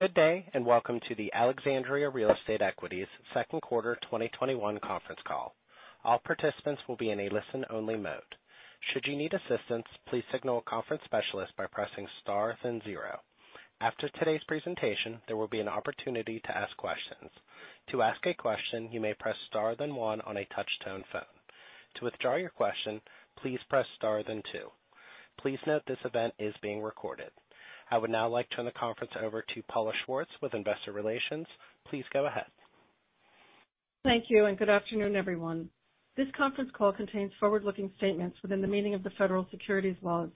Good day, and welcome to the Alexandria Real Estate Equities second quarter 2021 conference call. All participants will be in listen only mode. Should you need assistance, please signal a conference specialist by pressing star then zero. After today's presentation, there will be an opportunity to ask questions. To ask a question you may press star then one on your touch-tone phone. To withdraw your question please press star then two. Please note this event is being recorded. I would now like to turn the conference over to Paula Schwartz with Investor Relations. Please go ahead. Thank you, and good afternoon, everyone. This conference call contains forward-looking statements within the meaning of the federal securities laws.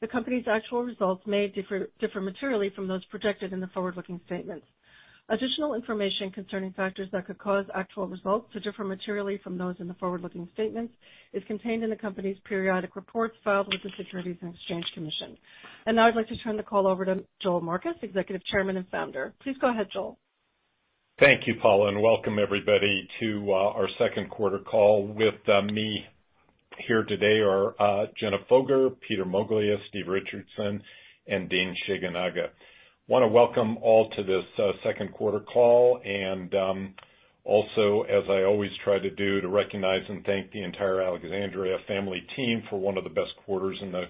The company's actual results may differ materially from those projected in the forward-looking statements. Additional information concerning factors that could cause actual results to differ materially from those in the forward-looking statements is contained in the company's periodic reports filed with the Securities and Exchange Commission. Now I'd like to turn the call over to Joel Marcus, Executive Chairman and Founder. Please go ahead, Joel. Thank you, Paula, welcome everybody to our second quarter call. With me here today are Jenna Foger, Peter Moglia, Stephen Richardson, and Dean Shigenaga. I want to welcome all to this second quarter call, and also, as I always try to do, to recognize and thank the entire Alexandria family team for one of the best quarters in the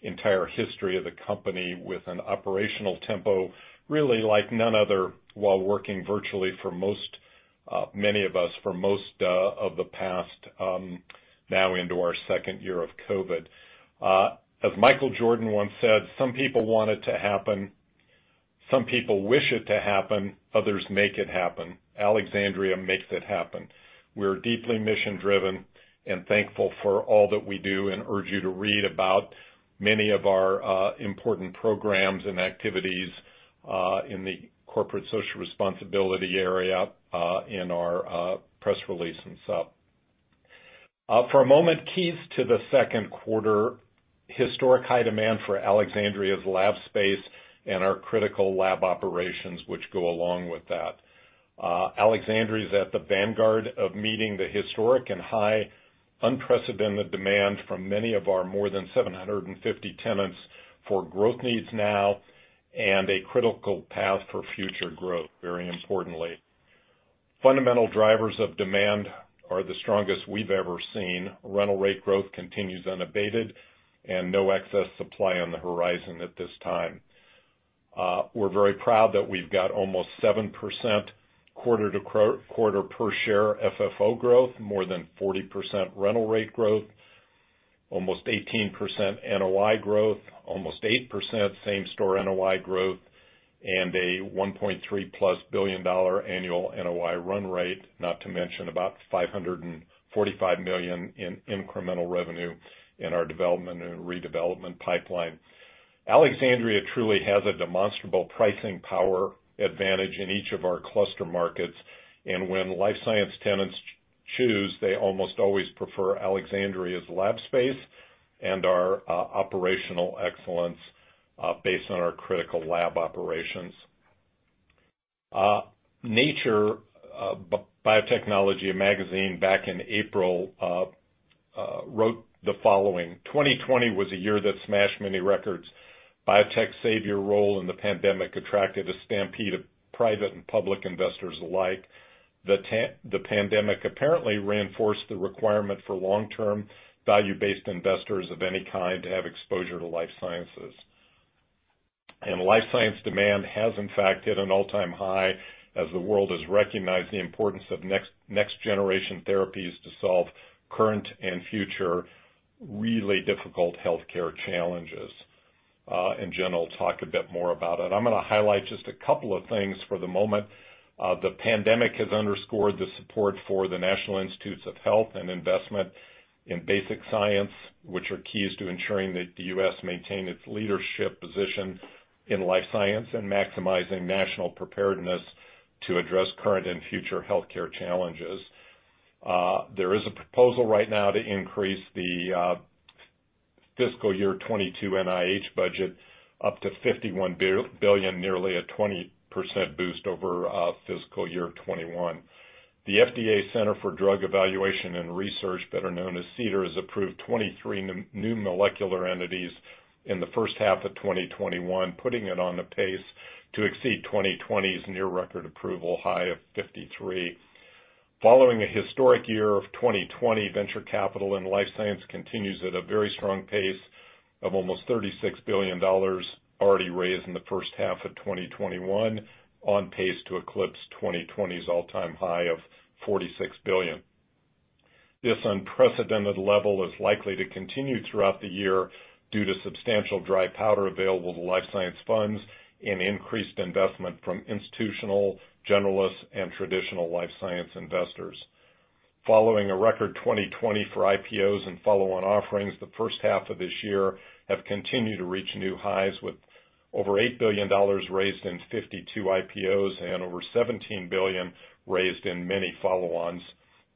entire history of the company, with an operational tempo really like none other, while working virtually for many of us for most of the past, now into our second year of COVID. As Michael Jordan once said, "Some people want it to happen. Some people wish it to happen. Others make it happen." Alexandria makes it happen. We're deeply mission-driven and thankful for all that we do and urge you to read about many of our important programs and activities in the corporate social responsibility area in our press release, and so on. For a moment, keys to the second quarter, historic high demand for Alexandria's lab space and our critical lab operations which go along with that. Alexandria is at the vanguard of meeting the historic and high unprecedented demand from many of our more than 750 tenants for growth needs now and a critical path for future growth, very importantly. Fundamental drivers of demand are the strongest we've ever seen. Rental rate growth continues unabated, and no excess supply on the horizon at this time. We're very proud that we've got almost 7% QoQ per share FFO growth, more than 40% rental rate growth, almost 18% NOI growth, almost 8% same-store NOI growth, and a $1.3+ billion annual NOI run rate, not to mention about $545 million in incremental revenue in our development and redevelopment pipeline. Alexandria truly has a demonstrable pricing power advantage in each of our cluster markets. When life science tenants choose, they almost always prefer Alexandria's lab space and our operational excellence based on our critical lab operations. Nature Biotechnology, a magazine, back in April, wrote the following: 2020 was a year that smashed many records. Biotech's savior role in the pandemic attracted a stampede of private and public investors alike. The pandemic apparently reinforced the requirement for long-term, value-based investors of any kind to have exposure to life sciences. Life science demand has in fact hit an all-time high as the world has recognized the importance of next generation therapies to solve current and future really difficult healthcare challenges. Jenna will talk a bit more about it. I'm going to highlight just a couple of things for the moment. The pandemic has underscored the support for the National Institutes of Health and investment in basic science, which are keys to ensuring that the U.S. maintain its leadership position in life science and maximizing national preparedness to address current and future healthcare challenges. There is a proposal right now to increase the fiscal year 2022 NIH budget up to $51 billion, nearly a 20% boost over fiscal year 2021. The FDA Center for Drug Evaluation and Research, better known as CDER, has approved 23 new molecular entities in the first half of 2021, putting it on the pace to exceed 2020's near record approval high of 53. Following a historic year of 2020, venture capital and life science continues at a very strong pace of almost $36 billion already raised in the first half of 2021, on pace to eclipse 2020's all-time high of $46 billion. This unprecedented level is likely to continue throughout the year due to substantial dry powder available to life science funds and increased investment from institutional, generalists, and traditional life science investors. Following a record 2020 for IPOs and follow-on offerings, the first half of this year have continued to reach new highs with over $8 billion raised in 52 IPOs and over $17 billion raised in many follow-ons,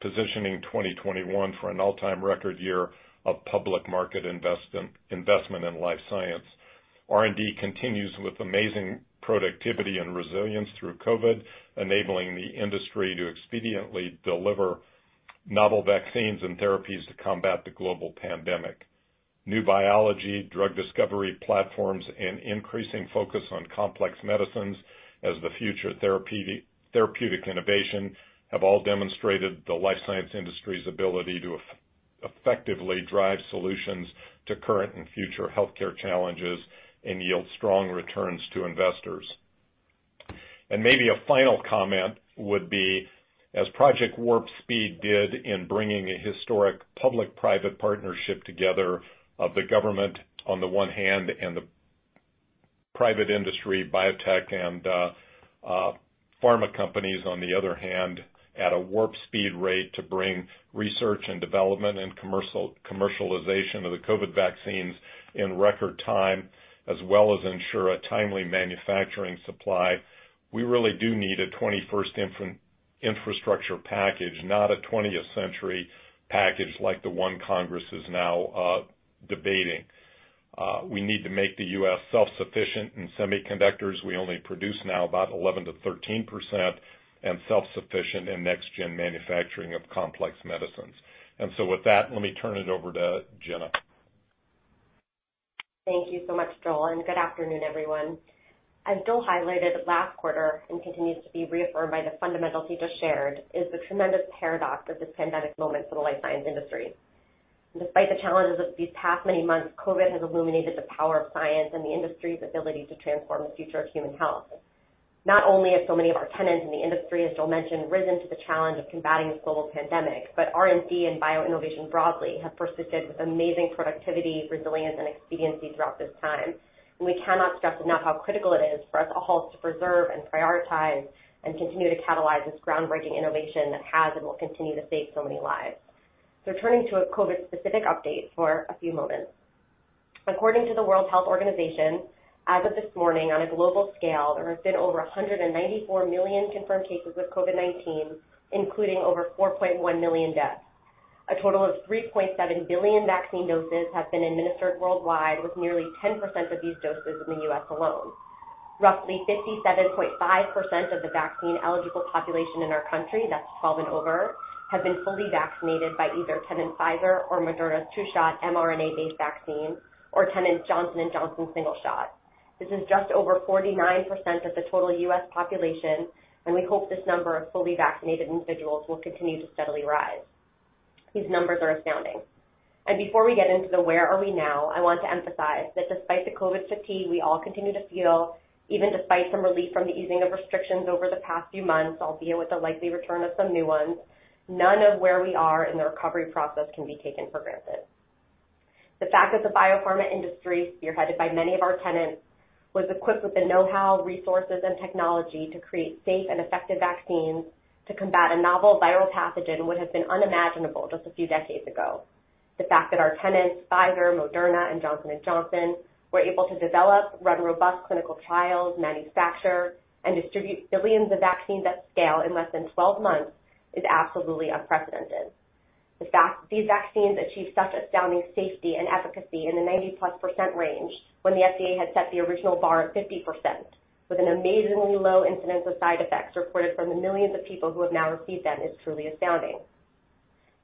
positioning 2021 for an all-time record year of public market investment in life science. R&D continues with amazing productivity and resilience through COVID, enabling the industry to expediently deliver novel vaccines and therapies to combat the global pandemic. New biology, drug discovery platforms, and increasing focus on complex medicines as the future therapeutic innovation have all demonstrated the life science industry's ability to effectively drive solutions to current and future healthcare challenges and yield strong returns to investors. Maybe a final comment would be, as Operation Warp Speed did in bringing a historic public-private partnership together of the government on the one hand, and the private industry, biotech, and pharma companies on the other hand, at a warp-speed rate to bring research and development and commercialization of the COVID vaccines in record time, as well as ensure a timely manufacturing supply. We really do need a 21st infrastructure package, not a 20th century package like the one Congress is now debating. We need to make the U.S. self-sufficient in semiconductors. We only produce now about 11%-13%, and self-sufficient in next-gen manufacturing of complex medicines. With that, let me turn it over to Jenna. Thank you so much, Joel. Good afternoon, everyone. As Joel highlighted last quarter, and continues to be reaffirmed by the fundamentals he just shared, is the tremendous paradox of this pandemic moment for the life science industry. Despite the challenges of these past many months, COVID has illuminated the power of science and the industry's ability to transform the future of human health. Not only have so many of our tenants in the industry, as Joel mentioned, risen to the challenge of combating this global pandemic, but R&D and bio-innovation broadly have persisted with amazing productivity, resilience, and expediency throughout this time, and we cannot stress enough how critical it is for us all to preserve and prioritize and continue to catalyze this groundbreaking innovation that has and will continue to save so many lives. Turning to a COVID-specific update for a few moments. According to the World Health Organization, as of this morning, on a global scale, there have been over 194 million confirmed cases of COVID-19, including over 4.1 million deaths. A total of 3.7 billion vaccine doses have been administered worldwide, with nearly 10% of these doses in the U.S. alone. Roughly 57.5% of the vaccine-eligible population in our country, that's 12 and over, have been fully vaccinated by either Pfizer or Moderna's two-shot mRNA-based vaccine, or Johnson & Johnson's single shot. This is just over 49% of the total U.S. population, and we hope this number of fully vaccinated individuals will continue to steadily rise. These numbers are astounding. Before we get into the where are we now, I want to emphasize that despite the COVID fatigue we all continue to feel, even despite some relief from the easing of restrictions over the past few months, albeit with the likely return of some new ones, none of where we are in the recovery process can be taken for granted. The fact that the biopharma industry, spearheaded by many of our tenants, was equipped with the know-how, resources, and technology to create safe and effective vaccines to combat a novel viral pathogen would have been unimaginable just a few decades ago. The fact that our tenants, Pfizer, Moderna, and Johnson & Johnson, were able to develop, run robust clinical trials, manufacture, and distribute billions of vaccines at scale in less than 12 months is absolutely unprecedented. The fact these vaccines achieved such astounding safety and efficacy in the 90%+ range when the FDA had set the original bar at 50%, with an amazingly low incidence of side effects reported from the millions of people who have now received them, is truly astounding.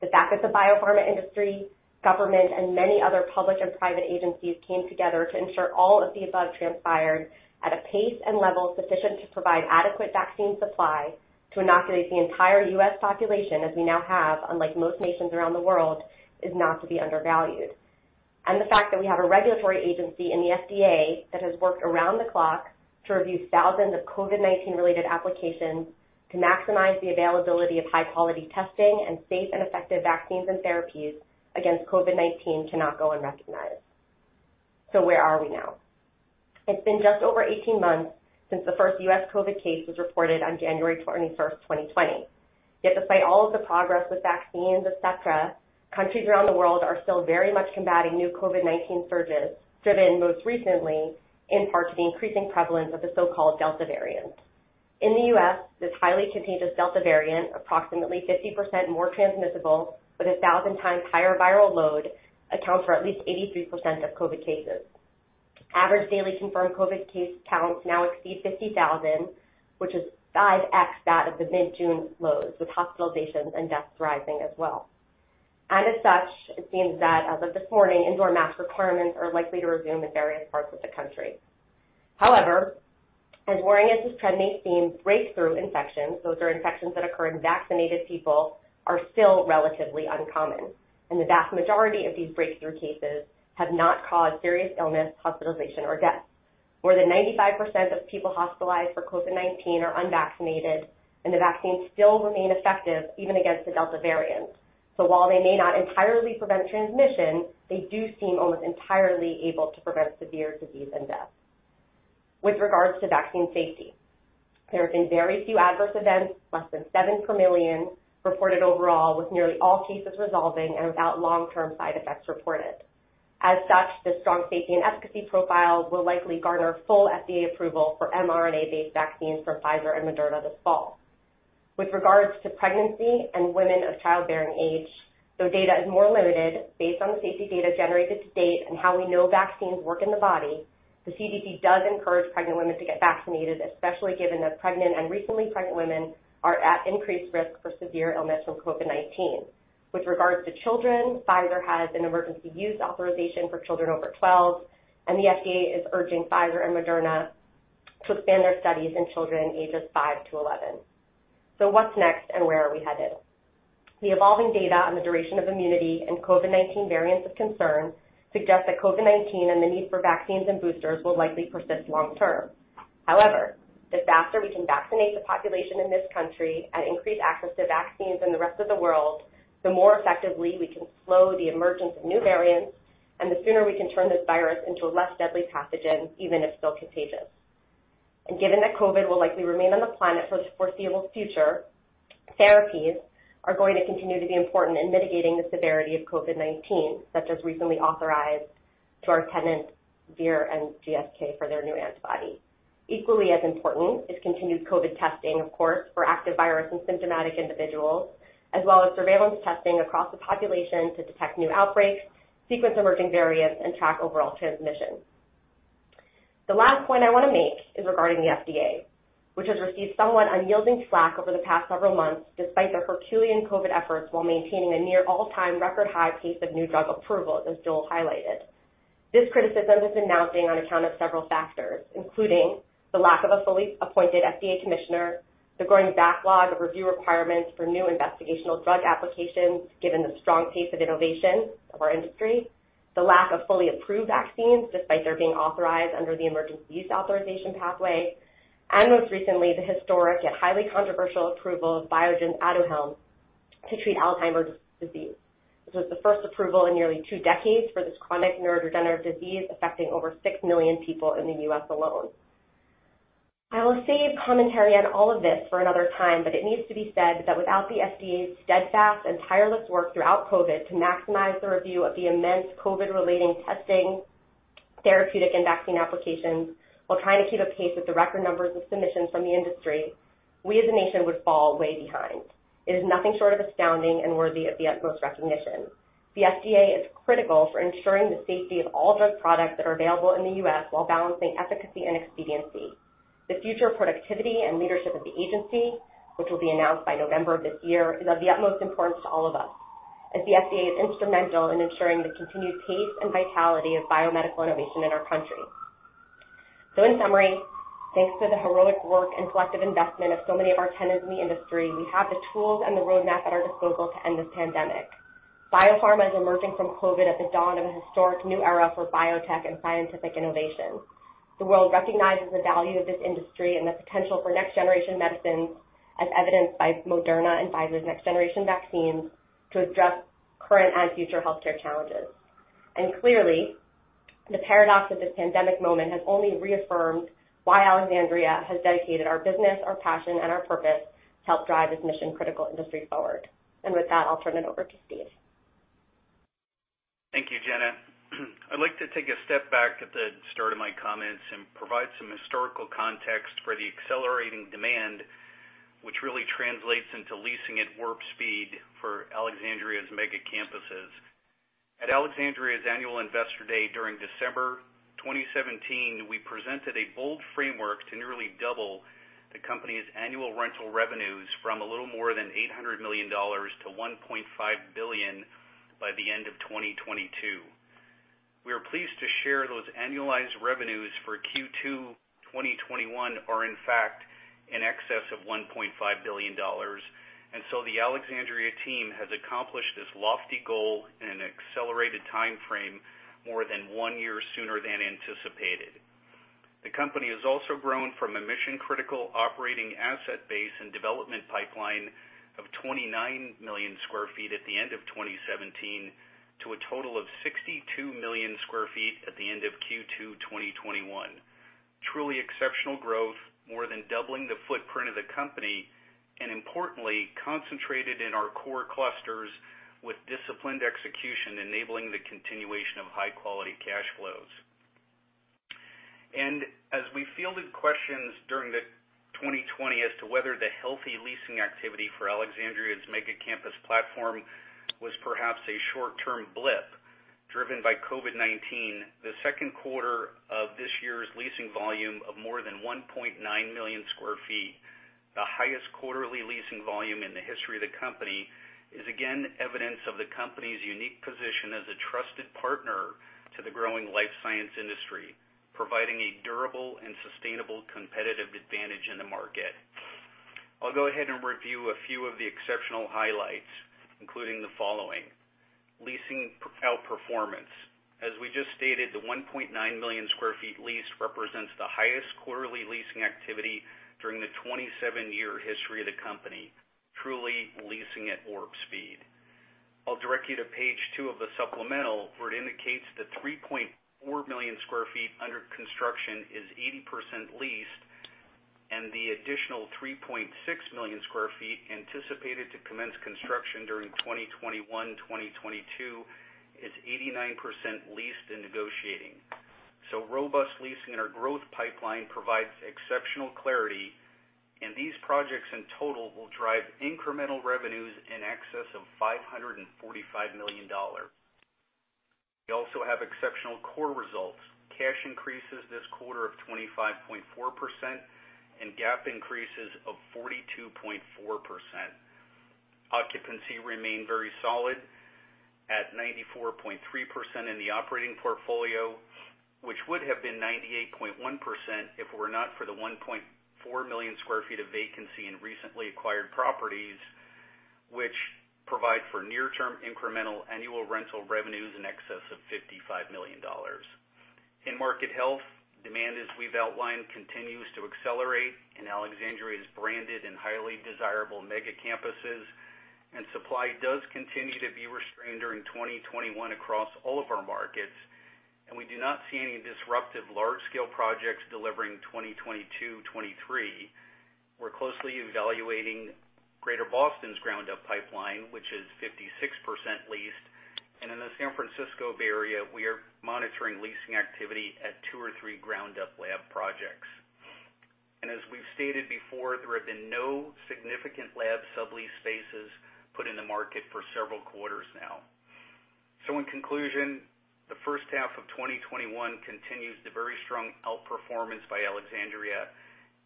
The fact that the biopharma industry, government, and many other public and private agencies came together to ensure all of the above transpired at a pace and level sufficient to provide adequate vaccine supply to inoculate the entire U.S. population as we now have, unlike most nations around the world, is not to be undervalued. The fact that we have a regulatory agency in the FDA that has worked around the clock to review thousands of COVID-19 related applications to maximize the availability of high-quality testing and safe and effective vaccines and therapies against COVID-19 cannot go unrecognized. Where are we now? It's been just over 18 months since the first U.S. COVID case was reported on January 21st, 2020. Despite all of the progress with vaccines, et cetera, countries around the world are still very much combating new COVID-19 surges, driven most recently, in part to the increasing prevalence of the so-called Delta variant. In the U.S., this highly contagious Delta variant, approximately 50% more transmissible with 1,000 times higher viral load, accounts for at least 83% of COVID cases. Average daily confirmed COVID case counts now exceed 50,000, which is 5x that of the mid-June lows, with hospitalizations and deaths rising as well. As such, it seems that as of this morning, indoor mask requirements are likely to resume in various parts of the country. However, as worrying as this trend may seem, breakthrough infections, those are infections that occur in vaccinated people, are still relatively uncommon, and the vast majority of these breakthrough cases have not caused serious illness, hospitalization, or death. More than 95% of people hospitalized for COVID-19 are unvaccinated, and the vaccines still remain effective even against the Delta variant. While they may not entirely prevent transmission, they do seem almost entirely able to prevent severe disease and death. With regards to vaccine safety, there have been very few adverse events, less than 7 per million reported overall, with nearly all cases resolving and without long-term side effects reported. As such, this strong safety and efficacy profile will likely garner full FDA approval for mRNA-based vaccines from Pfizer and Moderna this fall. With regards to pregnancy and women of childbearing age, though data is more limited, based on the safety data generated to date and how we know vaccines work in the body, the CDC does encourage pregnant women to get vaccinated, especially given that pregnant and recently pregnant women are at increased risk for severe illness from COVID-19. With regards to children, Pfizer has an emergency use authorization for children over 12, and the FDA is urging Pfizer and Moderna to expand their studies in children ages five to 11. What's next, and where are we headed? The evolving data on the duration of immunity and COVID-19 variants of concern suggest that COVID-19 and the need for vaccines and boosters will likely persist long term. However, the faster we can vaccinate the population in this country and increase access to vaccines in the rest of the world, the more effectively we can slow the emergence of new variants, and the sooner we can turn this virus into a less deadly pathogen, even if still contagious. Given that COVID will likely remain on the planet for the foreseeable future, therapies are going to continue to be important in mitigating the severity of COVID-19, such as recently authorized to our tenants, Vir and GSK, for their new antibody. Equally as important is continued COVID testing, of course, for active virus in symptomatic individuals, as well as surveillance testing across the population to detect new outbreaks, sequence emerging variants, and track overall transmission. The last point I want to make is regarding the FDA, which has received somewhat unyielding flak over the past several months, despite their Herculean COVID efforts, while maintaining a near all-time record high pace of new drug approvals, as Joel highlighted. This criticism has been mounting on account of several factors, including the lack of a fully appointed FDA commissioner, the growing backlog of review requirements for new investigational drug applications given the strong pace of innovation of our industry, the lack of fully approved vaccines, despite their being authorized under the emergency use authorization pathway, and most recently, the historic, yet highly controversial approval of Biogen's Aduhelm to treat Alzheimer's disease. This was the first approval in nearly two decades for this chronic neurodegenerative disease, affecting over 6 million people in the U.S. alone. I will save commentary on all of this for another time, but it needs to be said that without the FDA's steadfast and tireless work throughout COVID to maximize the review of the immense COVID relating testing, therapeutic, and vaccine applications, while trying to keep a pace with the record numbers of submissions from the industry, we as a nation would fall way behind. It is nothing short of astounding and worthy of the utmost recognition. The FDA is critical for ensuring the safety of all drug products that are available in the U.S., while balancing efficacy and expediency. The future productivity and leadership of the agency, which will be announced by November of this year, is of the utmost importance to all of us, as the FDA is instrumental in ensuring the continued pace and vitality of biomedical innovation in our country. In summary, thanks to the heroic work and collective investment of so many of our tenants in the industry, we have the tools and the roadmap at our disposal to end this pandemic. Biopharma is emerging from COVID at the dawn of a historic new era for biotech and scientific innovation. The world recognizes the value of this industry and the potential for next generation medicines, as evidenced by Moderna and Pfizer's next generation vaccines to address current and future healthcare challenges. Clearly, the paradox of this pandemic moment has only reaffirmed why Alexandria has dedicated our business, our passion, and our purpose to help drive this mission-critical industry forward. With that, I'll turn it over to Steve. Thank you, Jenna. I'd like to take a step back at the start of my comments and provide some historical context for the accelerating demand, which really translates into leasing at warp speed for Alexandria’s mega campuses. At Alexandria’s annual investor day during December 2017, we presented a bold framework to nearly double the company’s annual rental revenues from a little more than $800 million to $1.5 billion by the end of 2022. We are pleased to share those annualized revenues for Q2 2021 are in fact in excess of $1.5 billion. The Alexandria team has accomplished this lofty goal in an accelerated timeframe, more than one year sooner than anticipated. The company has also grown from a mission-critical operating asset base and development pipeline of 29 million sq ft at the end of 2017 to a total of 62 million sq ft at the end of Q2 2021. Truly exceptional growth, more than doubling the footprint of the company, and importantly, concentrated in our core clusters with disciplined execution, enabling the continuation of high quality cash flows. As we fielded questions during the 2020 as to whether the healthy leasing activity for Alexandria's mega campus platform was perhaps a short term blip driven by COVID-19. The second quarter of this year's leasing volume of more than 1.9 million sq ft the highest quarterly leasing volume in the history of the company, is again evidence of the company's unique position as a trusted partner to the growing life science industry, providing a durable and sustainable competitive advantage in the market. I'll go ahead and review a few of the exceptional highlights, including the following. Leasing outperformance. As we just stated, the 1.9 million sq ft leased represents the highest quarterly leasing activity during the 27-year history of the company. Truly leasing at warp speed. I'll direct you to page two of the supplemental, where it indicates the 3.4 million sq ft under construction is 80% leased, and the additional 3.6 million sq ft anticipated to commence construction during 2021, 2022 is 89% leased and negotiating. Robust leasing in our growth pipeline provides exceptional clarity, and these projects in total will drive incremental revenues in excess of $545 million. We also have exceptional core results. Cash increases this quarter of 25.4%, and GAAP increases of 42.4%. Occupancy remained very solid. At 94.3% in the operating portfolio, which would have been 98.1% if it were not for the 1.4 million sq ft of vacancy in recently acquired properties, which provide for near-term incremental annual rental revenues in excess of $55 million. In market health, demand, as we've outlined, continues to accelerate. Alexandria is branded in highly desirable mega campuses. Supply does continue to be restrained during 2021 across all of our markets. We do not see any disruptive large-scale projects delivering 2022, 2023. We're closely evaluating Greater Boston's ground-up pipeline, which is 56% leased. In the San Francisco Bay area, we are monitoring leasing activity at two or three ground up lab projects. As we've stated before, there have been no significant lab sublease spaces put in the market for several quarters now. In conclusion, the first half of 2021 continues the very strong outperformance by Alexandria,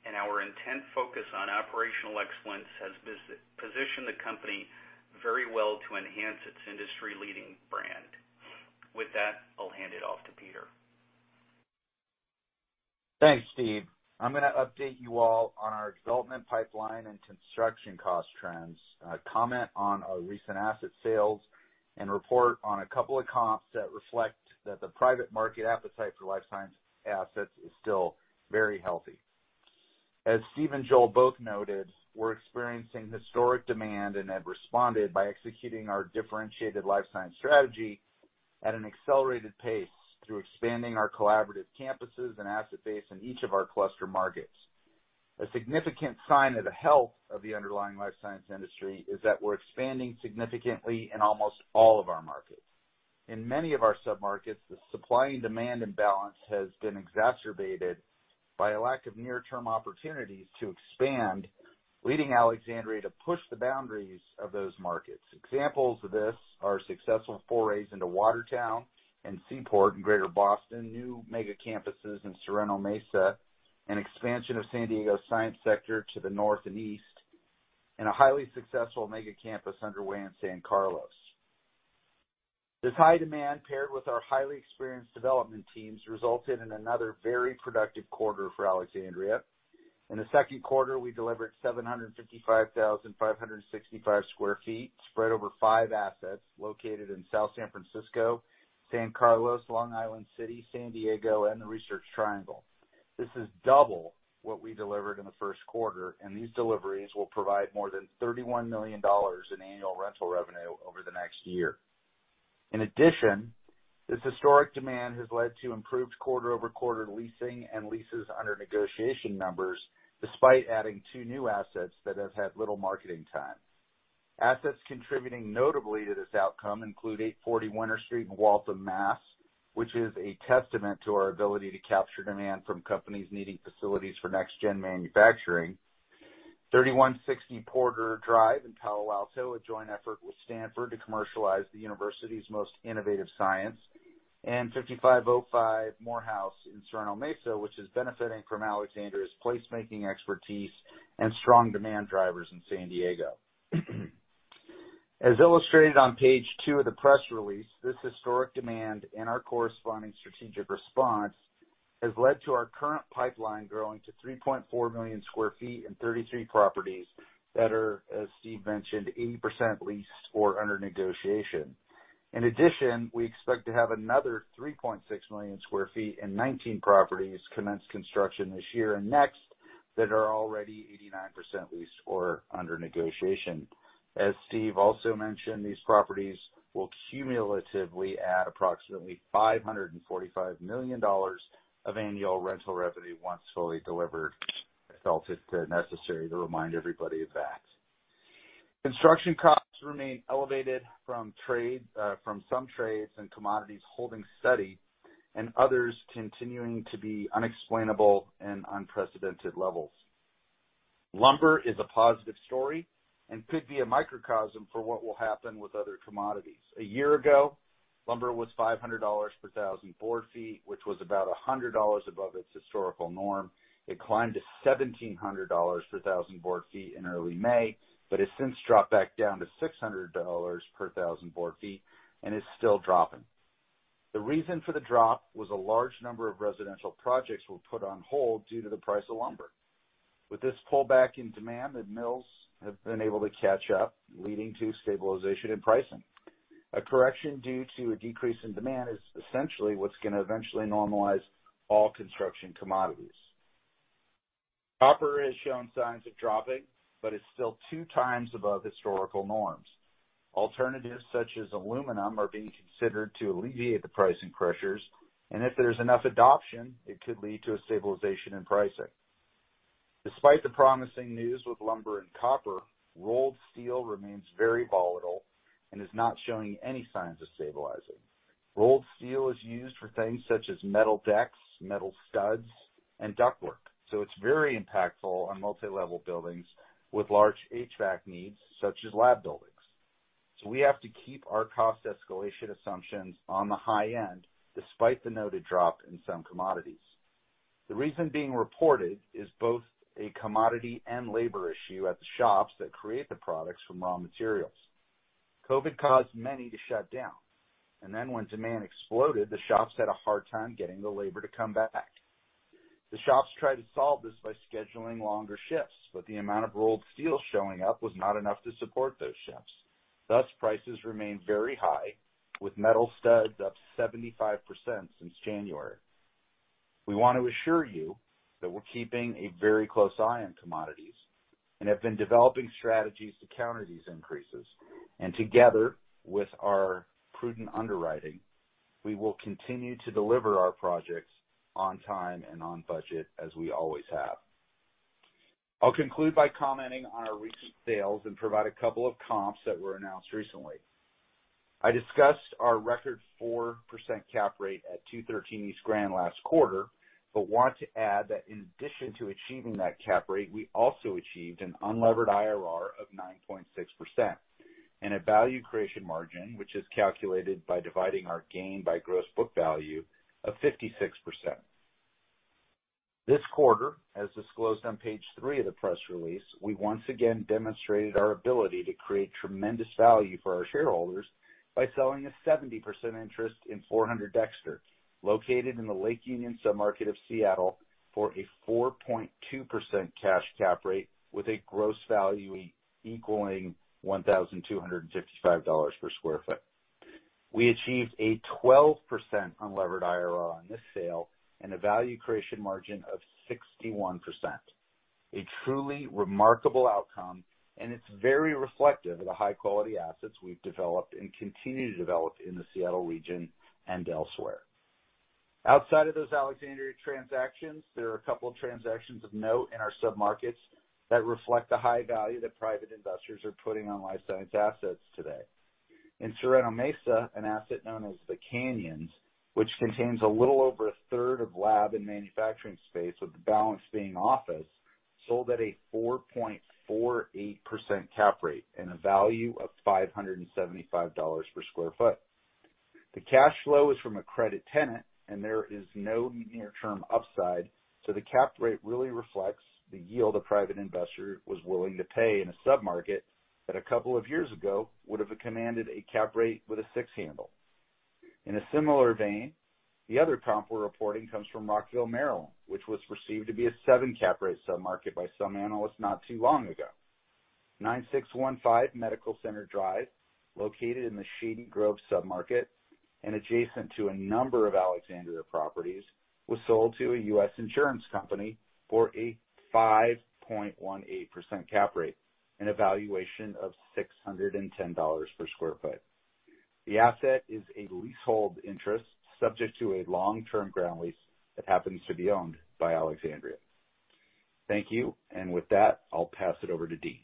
and our intent focus on operational excellence has positioned the company very well to enhance its industry-leading brand. With that, I'll hand it off to Peter. Thanks, Steve. I'm going to update you all on our development pipeline and construction cost trends, comment on our recent asset sales, and report on a couple of comps that reflect that the private market appetite for life science assets is still very healthy. As Steve and Joel both noted, we're experiencing historic demand and have responded by executing our differentiated life science strategy at an accelerated pace through expanding our collaborative campuses and asset base in each of our cluster markets. A significant sign of the health of the underlying life science industry is that we're expanding significantly in almost all of our markets. In many of our sub-markets, the supply and demand imbalance has been exacerbated by a lack of near-term opportunities to expand, leading Alexandria to push the boundaries of those markets. Examples of this are successful forays into Watertown and Seaport in Greater Boston, new mega campuses in Sorrento Mesa, and expansion of San Diego's science sector to the north and east, and a highly successful mega campus underway in San Carlos. This high demand, paired with our highly experienced development teams, resulted in another very productive quarter for Alexandria. In the second quarter, we delivered 755,565 sq ft spread over five assets located in South San Francisco, San Carlos, Long Island City, San Diego, and the Research Triangle. This is double what we delivered in the first quarter, and these deliveries will provide more than $31 million in annual rental revenue over the next year. In addition, this historic demand has led to improved QoQ leasing and leases under negotiation numbers, despite adding two new assets that have had little marketing time. Assets contributing notably to this outcome include 840 Winter Street in Waltham, Mass., which is a testament to our ability to capture demand from companies needing facilities for next gen manufacturing. 3160 Porter Drive in Palo Alto, a joint effort with Stanford to commercialize the university's most innovative science, and 5505 Morehouse in Sorrento Mesa, which is benefiting from Alexandria's placemaking expertise and strong demand drivers in San Diego. As illustrated on page 2 of the press release, this historic demand and our corresponding strategic response has led to our current pipeline growing to 3.4 million sq ft and 33 properties that are, as Steve mentioned, 80% leased or under negotiation. In addition, we expect to have another 3.6 million sq ft and 19 properties commence construction this year and next that are already 89% leased or under negotiation. As Steve also mentioned, these properties will cumulatively add approximately $545 million of annual rental revenue once fully delivered. I felt it necessary to remind everybody of that. Construction costs remain elevated from some trades and commodities holding steady and others continuing to be unexplainable and unprecedented levels. Lumber is a positive story and could be a microcosm for what will happen with other commodities. A year ago, lumber was $500 per 1,000 board feet, which was about $100 above its historical norm. It climbed to $1,700 per 1,000 board feet in early May, but has since dropped back down to $600 per 1,000 board feet and is still dropping. The reason for the drop was a large number of residential projects were put on hold due to the price of lumber. With this pullback in demand, the mills have been able to catch up, leading to stabilization in pricing. A correction due to a decrease in demand is essentially what's going to eventually normalize all construction commodities. Copper has shown signs of dropping, but is still two times above historical norms. Alternatives such as aluminum are being considered to alleviate the pricing pressures, and if there's enough adoption, it could lead to a stabilization in pricing. Despite the promising news with lumber and copper, rolled steel remains very volatile and is not showing any signs of stabilizing. Rolled steel is used for things such as metal decks, metal studs, and ductwork. It's very impactful on multi-level buildings with large HVAC needs such as lab buildings. We have to keep our cost escalation assumptions on the high end despite the noted drop in some commodities. The reason being reported is both a commodity and labor issue at the shops that create the products from raw materials. COVID caused many to shut down, and then when demand exploded, the shops had a hard time getting the labor to come back. The shops tried to solve this by scheduling longer shifts, but the amount of rolled steel showing up was not enough to support those shifts. Thus, prices remained very high, with metal studs up 75% since January. We want to assure you that we're keeping a very close eye on commodities and have been developing strategies to counter these increases. Together with our prudent underwriting, we will continue to deliver our projects on time and on budget as we always have. I'll conclude by commenting on our recent sales and provide a couple of comps that were announced recently. I discussed our record 4% cap rate at 213 East Grand last quarter, but want to add that in addition to achieving that cap rate, we also achieved an unlevered IRR of 9.6% and a value creation margin, which is calculated by dividing our gain by gross book value of 56%. This quarter, as disclosed on page three of the press release, we once again demonstrated our ability to create tremendous value for our shareholders by selling a 70% interest in 400 Dexter, located in the Lake Union sub-market of Seattle, for a 4.2% cash cap rate with a gross value equaling $1,255 per sq ft. We achieved a 12% unlevered IRR on this sale and a value creation margin of 61%. A truly remarkable outcome. It's very reflective of the high-quality assets we've developed and continue to develop in the Seattle region and elsewhere. Outside of those Alexandria transactions, there are a couple of transactions of note in our sub-markets that reflect the high value that private investors are putting on life science assets today. In Sorrento Mesa, an asset known as The Canyons, which contains a little over a third of lab and manufacturing space, with the balance being office, sold at a 4.48% cap rate and a value of $575 per sq ft. The cash flow is from a credit tenant, and there is no near-term upside. The cap rate really reflects the yield a private investor was willing to pay in a sub-market that a couple of years ago would have commanded a cap rate with a six handle. In a similar vein, the other comp we're reporting comes from Rockville, Maryland, which was perceived to be a seven cap rate sub-market by some analysts not too long ago. 9615 Medical Center Drive, located in the Shady Grove sub-market and adjacent to a number of Alexandria properties, was sold to a U.S. insurance company for a 5.18% cap rate and a valuation of $610 per square foot. The asset is a leasehold interest subject to a long-term ground lease that happens to be owned by Alexandria. Thank you. With that, I'll pass it over to Dean.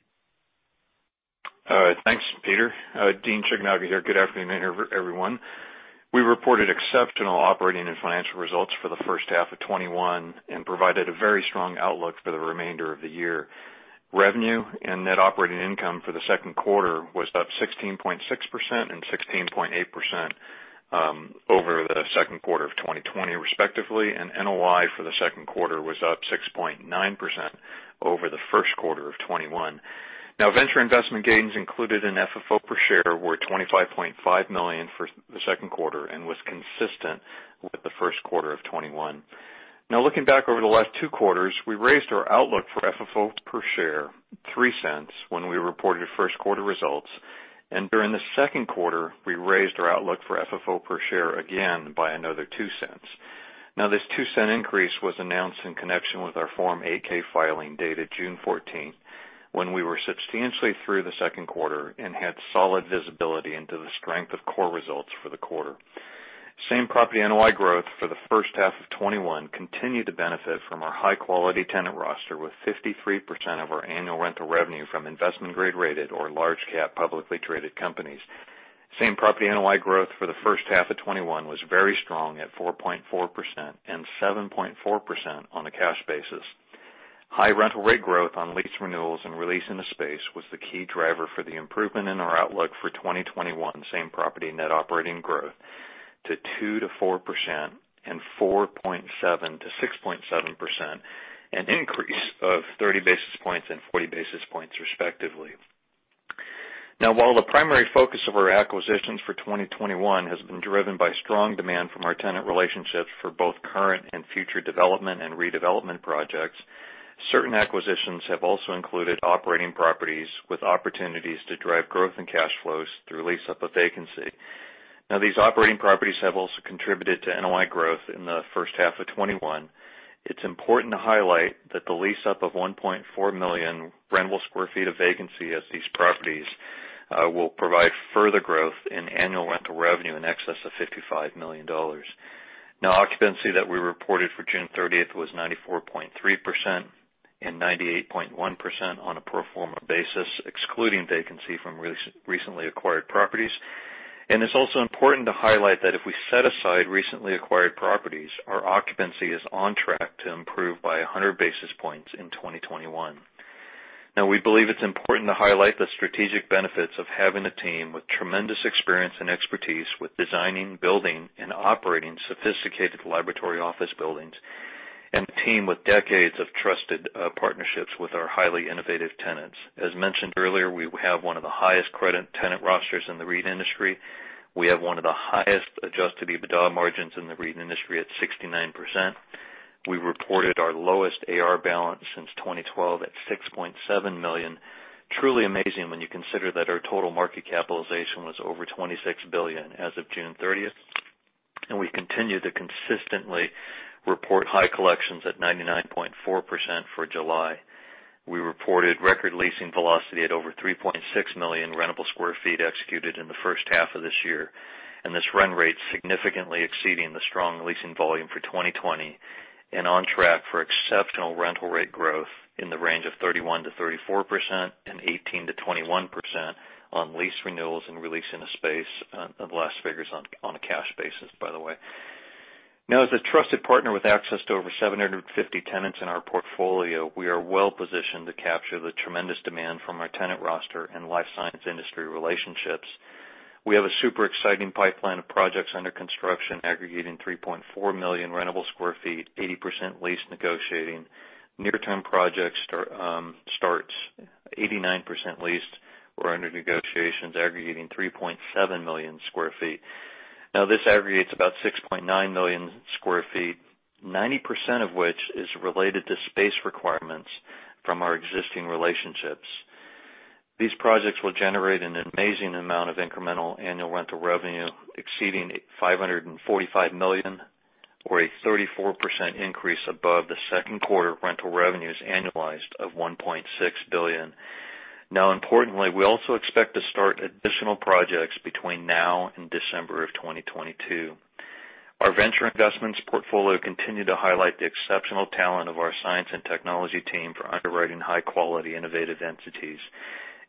All right. Thanks, Peter. Dean Shigenaga here. Good afternoon, everyone. We reported exceptional operating and financial results for the first half of 2021 and provided a very strong outlook for the remainder of the year. Revenue and net operating income for the second quarter was up 16.6% and 16.8% over the second quarter of 2020, respectively, and NOI for the second quarter was up 6.9% over the first quarter of 2021. Venture investment gains included in FFO per share were $25.5 million for the second quarter and was consistent with the first quarter of 2021. Looking back over the last two quarters, we raised our outlook for FFO per share $0.03 when we reported first quarter results, and during the second quarter, we raised our outlook for FFO per share again by another $0.02. This $0.02 increase was announced in connection with our Form 8-K filing dated June 14th, when we were substantially through the second quarter and had solid visibility into the strength of core results for the quarter. Same property NOI growth for the first half of 2021 continued to benefit from our high-quality tenant roster, with 53% of our annual rental revenue from investment grade rated or large cap publicly traded companies. Same property NOI growth for the first half of 2021 was very strong at 4.4% and 7.4% on a cash basis. High rental rate growth on lease renewals and re-leasing of space was the key driver for the improvement in our outlook for 2021 same property net operating growth to 2%-4% and 4.7%-6.7%, an increase of 30 basis points and 40 basis points respectively. Now while the primary focus of our acquisitions for 2021 has been driven by strong demand from our tenant relationships for both current and future development and redevelopment projects, certain acquisitions have also included operating properties with opportunities to drive growth in cash flows through lease up of vacancy. Now these operating properties have also contributed to NOI growth in the first half of 2021. It's important to highlight that the lease up of 1.4 million rentable square feet of vacancy as these properties will provide further growth in annual rental revenue in excess of $55 million. Now occupancy that we reported for June 30th was 94.3% and 98.1% on a pro forma basis, excluding vacancy from recently acquired properties. It's also important to highlight that if we set aside recently acquired properties, our occupancy is on track to improve by 100 basis points in 2021. We believe it's important to highlight the strategic benefits of having a team with tremendous experience and expertise with designing, building, and operating sophisticated laboratory office buildings, and a team with decades of trusted partnerships with our highly innovative tenants. As mentioned earlier, we have one of the highest credit tenant rosters in the REIT industry. We have one of the highest Adjusted EBITDA margins in the REIT industry at 69%. We reported our lowest AR balance since 2012, at $6.7 million. Truly amazing when you consider that our total market capitalization was over $26 billion as of June 30th. We continue to consistently report high collections at 99.4% for July. We reported record leasing velocity at over 3.6 million rentable square feet executed in the first half of this year, and this run rate's significantly exceeding the strong leasing volume for 2020, and on track for exceptional rental rate growth in the range of 31%-34%, and 18%-21% on lease renewals and re-leasing of space. The last figure's on a cash basis, by the way. As a trusted partner with access to over 750 tenants in our portfolio, we are well-positioned to capture the tremendous demand from our tenant roster and life science industry relationships. We have a super exciting pipeline of projects under construction aggregating 3.4 million rentable square feet, 80% lease negotiating. Near-term project starts, 89% leased or under negotiations aggregating 3.7 million sq ft. This aggregates about 6.9 million sq ft, 90% of which is related to space requirements from our existing relationships. These projects will generate an amazing amount of incremental annual rental revenue exceeding $545 million, or a 34% increase above the second quarter rental revenues annualized of $1.6 billion. Importantly, we also expect to start additional projects between now and December of 2022. Our venture investments portfolio continue to highlight the exceptional talent of our science and technology team for underwriting high-quality innovative entities.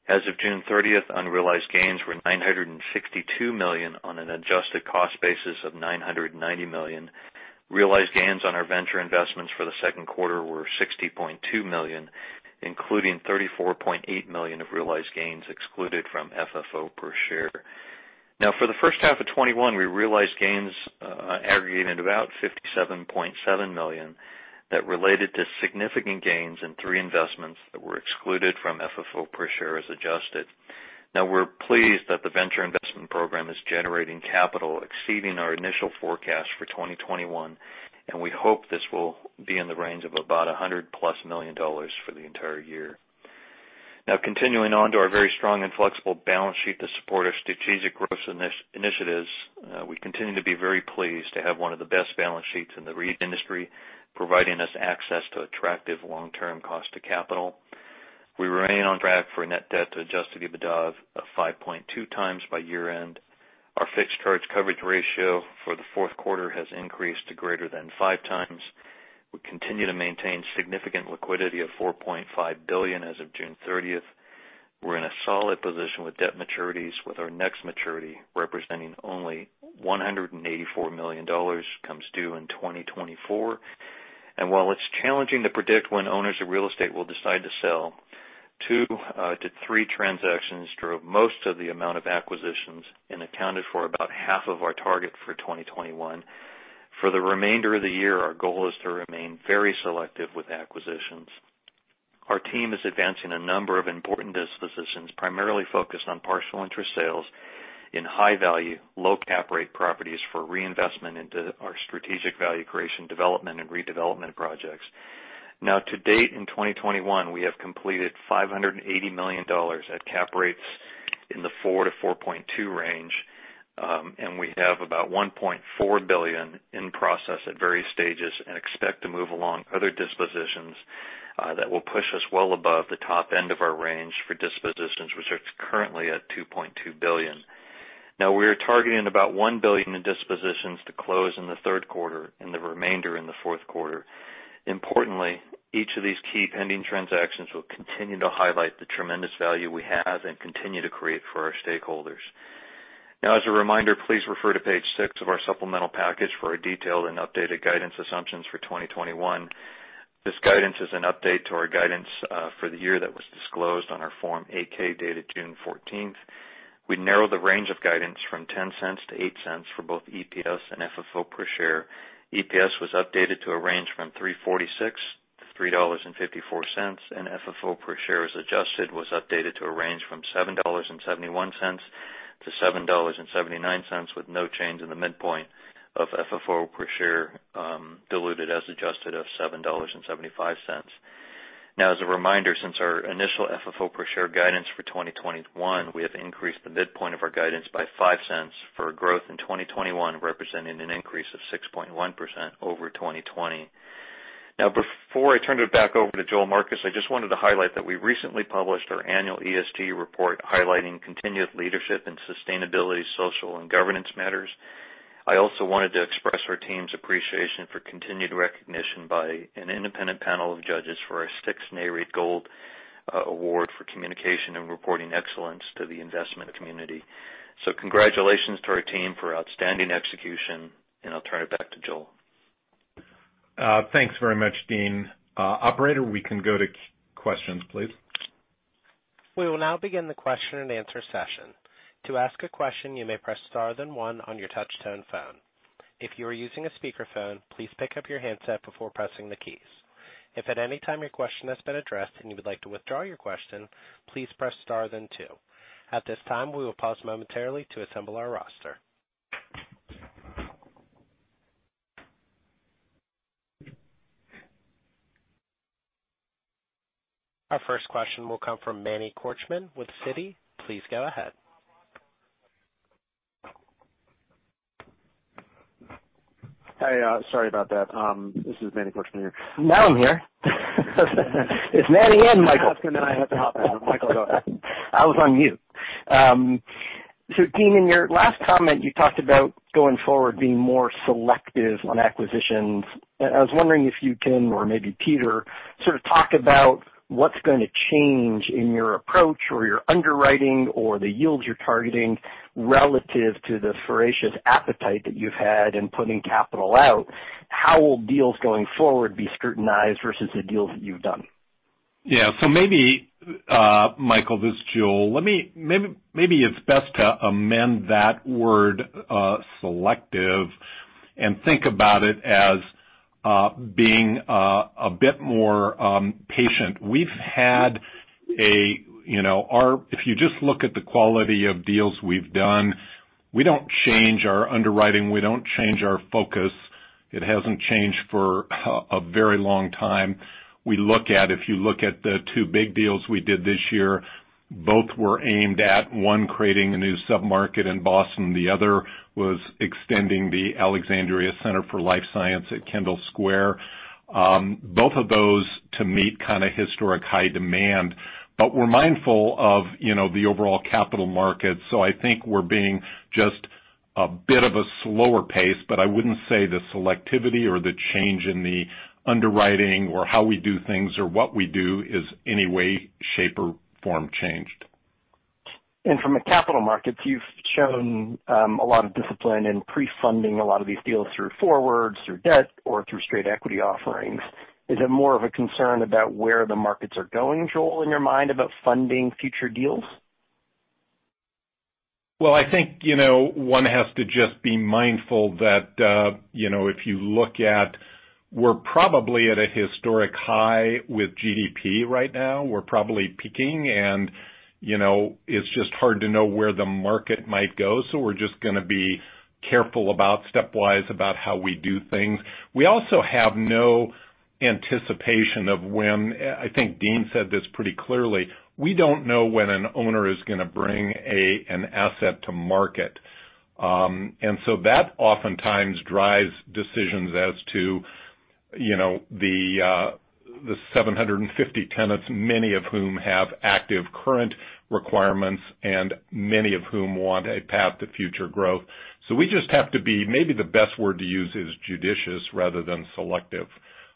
As of June 30th, unrealized gains were $962 million on an adjusted cost basis of $990 million. Realized gains on our venture investments for the second quarter were $60.2 million, including $34.8 million of realized gains excluded from FFO per share. For the first half of 2021, we realized gains aggregating about $57.7 million, that related to significant gains in three investments that were excluded from FFO per share as adjusted. We're pleased that the venture investment program is generating capital exceeding our initial forecast for 2021, and we hope this will be in the range of about $100+ million for the entire year. Continuing on to our very strong and flexible balance sheet to support our strategic growth initiatives. We continue to be very pleased to have one of the best balance sheets in the REIT industry, providing us access to attractive long-term cost to capital. We remain on track for net debt to Adjusted EBITDA of 5.2x by year-end. Our fixed charge coverage ratio for the fourth quarter has increased to greater than five times. We continue to maintain significant liquidity of $4.5 billion as of June 30th. We're in a solid position with debt maturities, with our next maturity representing only $184 million, comes due in 2024. While it's challenging to predict when owners of real estate will decide to sell, two to three transactions drove most of the amount of acquisitions and accounted for about half of our target for 2021. For the remainder of the year, our goal is to remain very selective with acquisitions. Our team is advancing a number of important dispositions, primarily focused on partial interest sales in high value, low cap rate properties for reinvestment into our strategic value creation development and redevelopment projects. Now, to date in 2021, we have completed $580 million at cap rates in the 4%-4.2% range, and we have about $1.4 billion in process at various stages and expect to move along other dispositions that will push us well above the top end of our range for dispositions, which is currently at $2.2 billion. Now, we are targeting about $1 billion in dispositions to close in the third quarter, and the remainder in the fourth quarter. Importantly, each of these key pending transactions will continue to highlight the tremendous value we have and continue to create for our stakeholders. Now as a reminder, please refer to page six of our supplemental package for a detailed and updated guidance assumptions for 2021. This guidance is an update to our guidance for the year that was disclosed on our Form 8-K dated June 14th. We narrowed the range of guidance from $0.10-$0.08 for both EPS and FFO per share. EPS was updated to a range from $3.46-$3.54. FFO per share as adjusted was updated to a range from $7.71-$7.79, with no change in the midpoint of FFO per share diluted as adjusted of $7.75. As a reminder, since our initial FFO per share guidance for 2021, we have increased the midpoint of our guidance by $0.05 for growth in 2021, representing an increase of 6.1% over 2020. Before I turn it back over to Joel Marcus, I just wanted to highlight that we recently published our annual ESG report highlighting continued leadership and sustainability, social, and governance matters. I also wanted to express our team's appreciation for continued recognition by an independent panel of judges for our sixth Nareit Gold Award for communication and reporting excellence to the investment community. Congratulations to our team for outstanding execution. I'll turn it back to Joel. Thanks very much, Dean. Operator, we can go to questions, please. We will now begin the question and answer session. To ask a question you may press star then one on your touch-tone phone. If you are using a speakerphone, please pick up your headset before pressing the key. If at any time your question has been addressed and you would like to withdraw your question please press star then two. At this time we will pause momentarily to assemble our roster. Our first question will come from Manny Korchman with Citi. Please go ahead. Hi, sorry about that. This is Manny Korchman here. Now I'm here. It's Manny and Michael. Korchman and I had to hop on. Michael, go ahead. I was on mute. Dean, in your last comment, you talked about going forward, being more selective on acquisitions. I was wondering if you can, or maybe Peter, sort of talk about what's going to change in your approach or your underwriting or the yields you're targeting relative to the voracious appetite that you've had in putting capital out. How will deals going forward be scrutinized versus the deals that you've done? Maybe, Michael, this is Joel. Maybe it's best to amend that word selective and think about it as being a bit more patient. If you just look at the quality of deals we've done, we don't change our underwriting. We don't change our focus. It hasn't changed for a very long time. If you look at the two big deals we did this year, both were aimed at, one, creating a new sub-market in Boston. The other was extending the Alexandria Center for Life Science at Kendall Square. Both of those to meet kind of historic high demand. We're mindful of the overall capital markets. I think we're being just a bit of a slower pace, but I wouldn't say the selectivity or the change in the underwriting or how we do things or what we do is any way, shape, or form changed. From the capital markets, you've shown a lot of discipline in pre-funding a lot of these deals through forwards, through debt, or through straight equity offerings. Is it more of a concern about where the markets are going, Joel, in your mind about funding future deals? I think, 1 has to just be mindful that if you look at we're probably at a historic high with GDP right now. We're probably peaking, and it's just hard to know where the market might go. We're just going to be careful about stepwise about how we do things. We also have no anticipation of when. I think Dean said this pretty clearly. We don't know when an owner is going to bring an asset to market. That oftentimes drives decisions as to the 750 tenants, many of whom have active current requirements and many of whom want a path to future growth. We just have to be, maybe the best word to use is judicious rather than selective.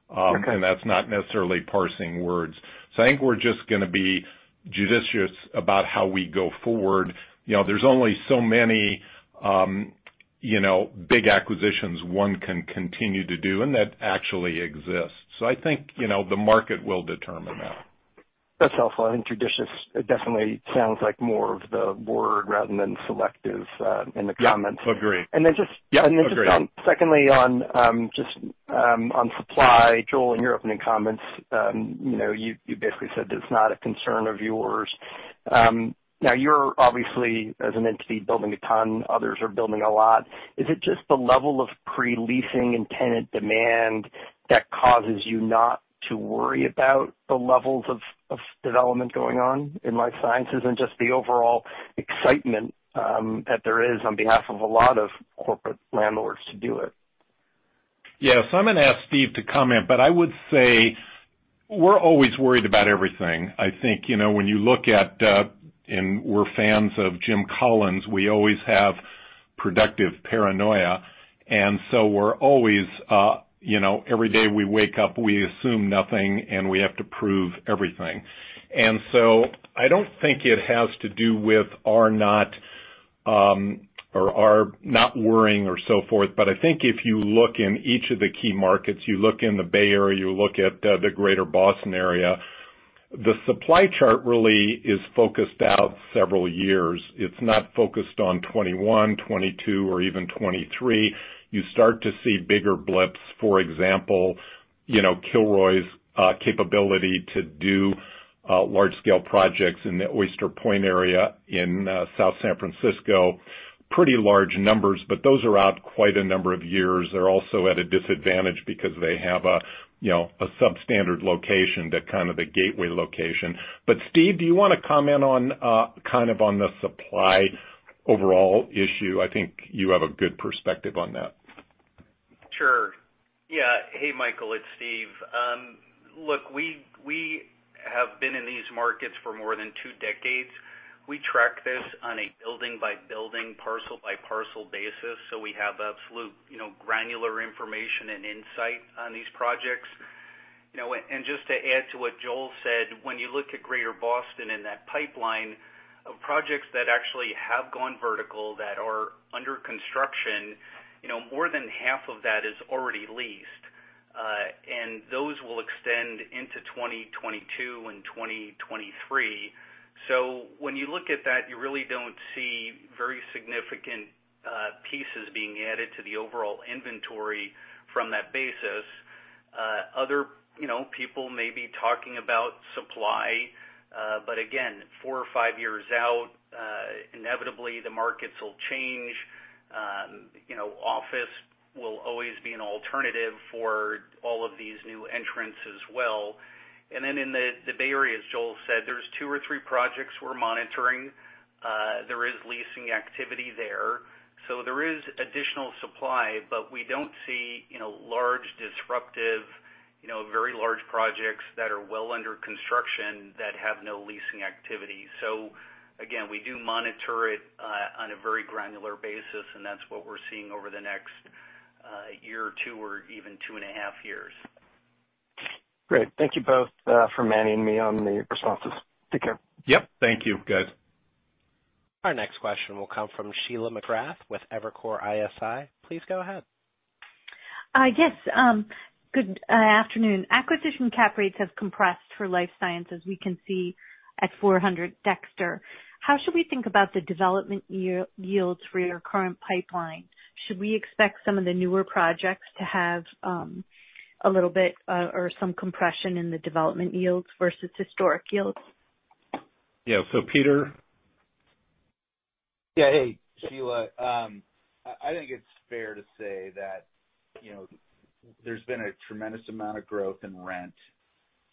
Okay. That's not necessarily parsing words. I think we're just going to be judicious about how we go forward. There's only so many big acquisitions one can continue to do and that actually exists. I think the market will determine that. That's helpful. I think judicious definitely sounds like more of the word rather than selective in the comments. Yeah. Agree. And then just- Yeah. Agree. Just secondly on supply, Joel, in your opening comments, you basically said that it's not a concern of yours. Now you're obviously, as an entity, building a ton. Others are building a lot. Is it just the level of pre-leasing and tenant demand that causes you not to worry about the levels of development going on in life sciences and just the overall excitement that there is on behalf of a lot of corporate landlords to do it? I'm going to ask Steve to comment, but I would say we're always worried about everything. I think, when you look at, and we're fans of Jim Collins, we always have productive paranoia. Every day we wake up, we assume nothing, and we have to prove everything. I don't think it has to do with our not worrying or so forth. I think if you look in each of the key markets, you look in the Bay Area, you look at the Greater Boston area, the supply chart really is focused out several years. It's not focused on 2021, 2022, or even 2023. You start to see bigger blips. For example, Kilroy's capability to do large-scale projects in the Oyster Point area in South San Francisco, pretty large numbers, but those are out quite a number of years. They're also at a disadvantage because they have a substandard location to kind of the gateway location. Steve, do you want to comment on kind of on the supply overall issue? I think you have a good perspective on that. Sure. Yeah. Hey, Michael, it's Steve. Look, we have been in these markets for more than two decades. We track this on a building-by-building, parcel-by-parcel basis. We have absolute granular information and insight on these projects. Just to add to what Joel said, when you look at Greater Boston and that pipeline of projects that actually have gone vertical that are under construction, more than half of that is already leased. Those will extend into 2022 and 2023. When you look at that, you really don't see very significant pieces being added to the overall inventory from that basis. Other people may be talking about supply. Again, four or five years out, inevitably the markets will change. Office will always be an alternative for all of these new entrants as well. Then in the Bay Area, as Joel said, there's two or three projects we're monitoring. There is leasing activity there, so there is additional supply. We don't see large, disruptive, very large projects that are well under construction that have no leasing activity. Again, we do monitor it on a very granular basis, and that's what we're seeing over the next year or two or even two and a half years. Great. Thank you both for manning me on the responses. Take care. Yep. Thank you. Goodbye. Our next question will come from Sheila McGrath with Evercore ISI. Please go ahead. Yes. Good afternoon. Acquisition cap rates have compressed for life sciences, we can see at 400 Dexter. How should we think about the development yields for your current pipeline? Should we expect some of the newer projects to have a little bit or some compression in the development yields versus historic yields? Yeah. Peter? Hey, Sheila. I think it's fair to say that there's been a tremendous amount of growth in rent,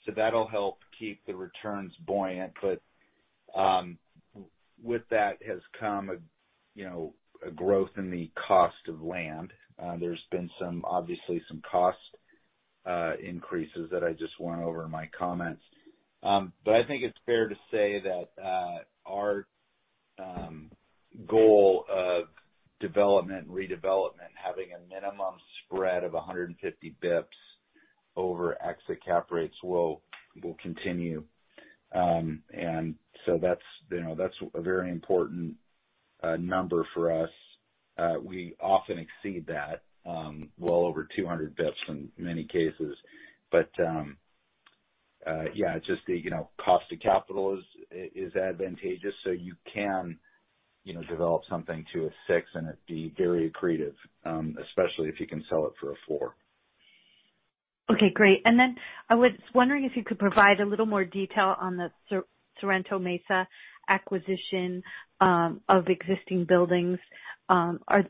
so that'll help keep the returns buoyant. With that, has come a growth in the cost of land. There's been, obviously, some cost increases that I just went over in my comments. I think it's fair to say that our goal of development and redevelopment having a minimum spread of 150 basis points over exit cap rates will continue. That's a very important number for us. We often exceed that, well over 200 basis points in many cases. Yeah, just the cost of capital is advantageous, so you can develop something to a six and it be very accretive, especially if you can sell it for a four. Okay, great. I was wondering if you could provide a little more detail on the Sorrento Mesa acquisition of existing buildings.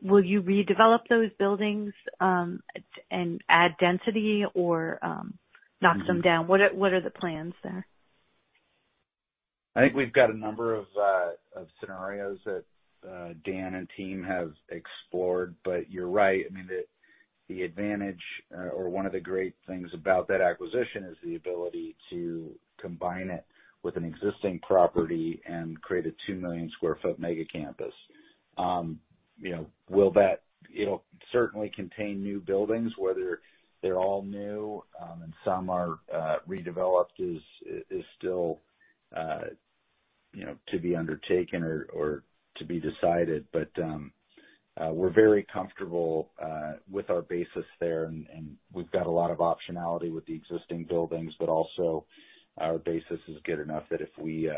Will you redevelop those buildings and add density or knock some down? What are the plans there? I think we've got a number of scenarios that Dean and team have explored. You're right, the advantage or one of the great things about that acquisition is the ability to combine it with an existing property and create a 2 million-square-foot mega campus. It'll certainly contain new buildings. Whether they're all new and some are redeveloped is still to be undertaken or to be decided. We're very comfortable with our basis there, and we've got a lot of optionality with the existing buildings. Also, our basis is good enough that if we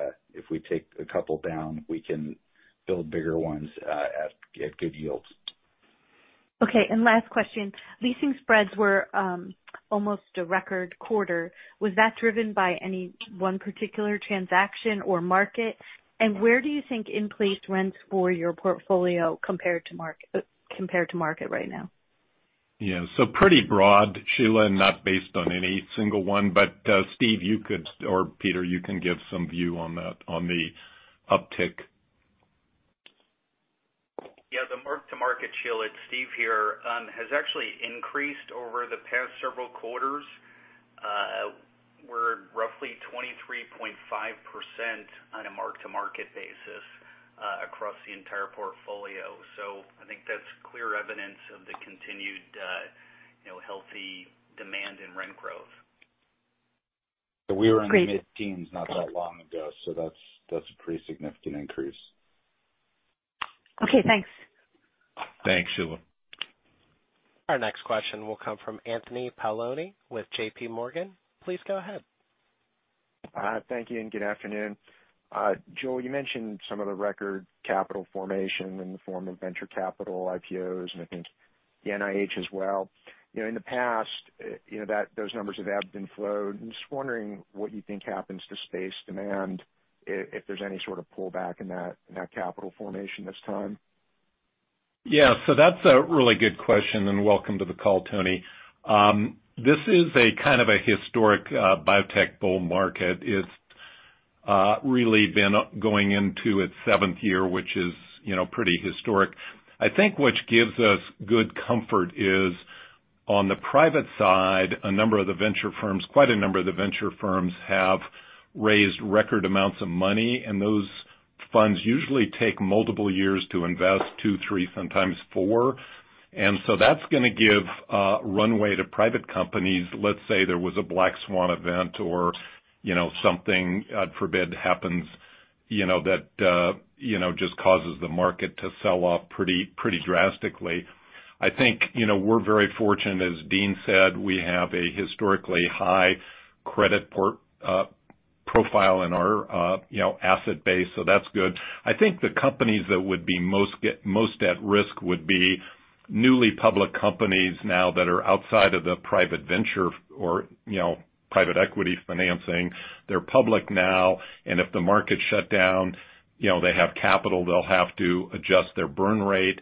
take a couple down, we can build bigger ones at good yields. Okay, last question. Leasing spreads were almost a record quarter. Was that driven by any one particular transaction or market? Where do you think in-place rents for your portfolio compare to market right now? Yeah. Pretty broad, Sheila, not based on any single one. Steve, you could, or Peter, you can give some view on the uptick. Yeah, the mark-to-market, Sheila, it's Steve here, has actually increased over the past several quarters. We're roughly 23.5% on a mark-to-market basis across the entire portfolio. I think that's clear evidence of the continued healthy demand in rent growth. We were in the mid-teens not that long ago, so that's a pretty significant increase. Okay, thanks. Thanks, Sheila. Our next question will come from Anthony Paolone with JPMorgan. Please go ahead. Thank you, and good afternoon. Joel, you mentioned some of the record capital formation in the form of venture capital IPOs and I think the NIH as well. In the past, those numbers have ebbed and flowed, and just wondering what you think happens to space demand if there's any sort of pullback in that capital formation this time? Yeah. That's a really good question, and welcome to the call, Tony. This is a kind of a historic biotech bull market. It's really been going into its seventh year, which is pretty historic. I think what gives us good comfort is on the private side, a number of the venture firms, quite a number of the venture firms, have raised record amounts of money. Those funds usually take multiple years to invest, two, three, sometimes four. That's going to give a runway to private companies. Let's say there was a black swan event or something, God forbid, happens that just causes the market to sell off pretty drastically. I think, we're very fortunate, as Dean said, we have a historically high credit profile in our asset base. That's good. I think the companies that would be most at risk would be newly public companies now that are outside of the private venture or private equity financing. If the market shut down, they have capital, they'll have to adjust their burn rate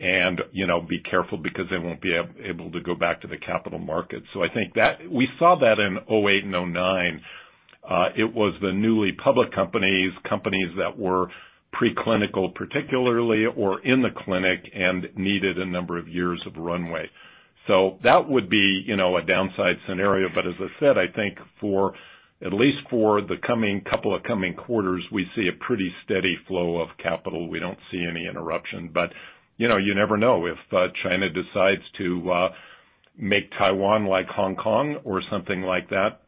and be careful because they won't be able to go back to the capital market. I think we saw that in 2008 and 2009. It was the newly public companies that were preclinical particularly, or in the clinic and needed a number of years of runway. That would be a downside scenario. As I said, I think at least for the coming couple of coming quarters, we see a pretty steady flow of capital. We don't see any interruption. You never know. If China decides to make Taiwan like Hong Kong or something like that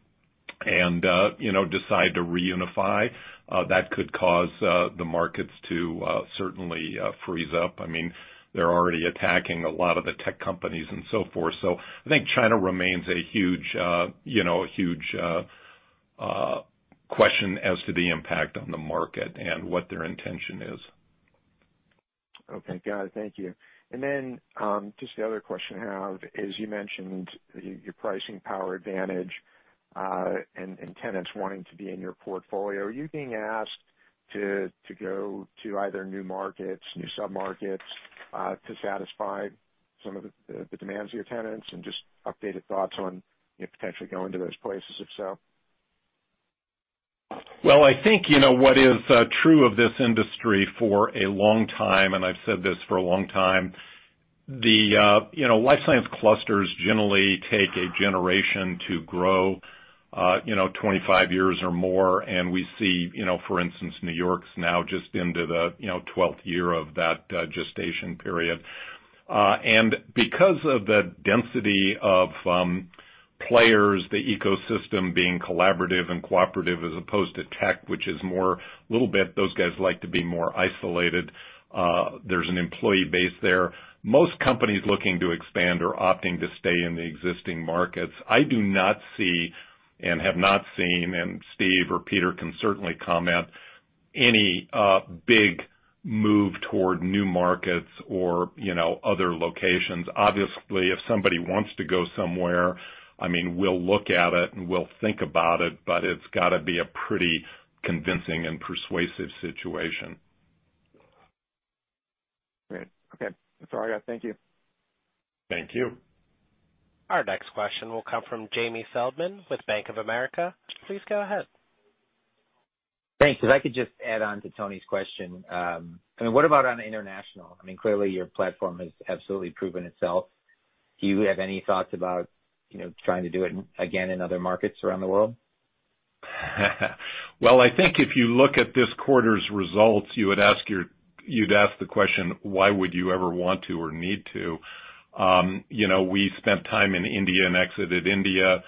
and decide to reunify, that could cause the markets to certainly freeze up. They're already attacking a lot of the tech companies and so forth. I think China remains a huge question as to the impact on the market and what their intention is. Okay, got it. Thank you. Just the other question I have is, you mentioned your pricing power advantage, and tenants wanting to be in your portfolio. Are you being asked to go to either new markets, new sub-markets, to satisfy some of the demands of your tenants? Just updated thoughts on potentially going to those places, if so. Well, I think what is true of this industry for a long time, and I've said this for a long time, the life science clusters generally take a generation to grow, 25 years or more. We see, for instance, New York's now just into the 12th year of that gestation period. Because of the density of players, the ecosystem being collaborative and cooperative, as opposed to tech, which is more a little bit, those guys like to be more isolated. There's an employee base there. Most companies looking to expand are opting to stay in the existing markets. I do not see and have not seen, and Steve or Peter can certainly comment, any big move toward new markets or other locations. Obviously, if somebody wants to go somewhere, we'll look at it, and we'll think about it, but it's got to be a pretty convincing and persuasive situation. Great. Okay. That's all I got. Thank you. Thank you. Our next question will come from Jamie Feldman with Bank of America. Please go ahead. Thanks. If I could just add on to Tony's question. What about on international? Clearly, your platform has absolutely proven itself. Do you have any thoughts about trying to do it again in other markets around the world? I think if you look at this quarter's results, you'd ask the question, why would you ever want to or need to? We spent time in India and exited India,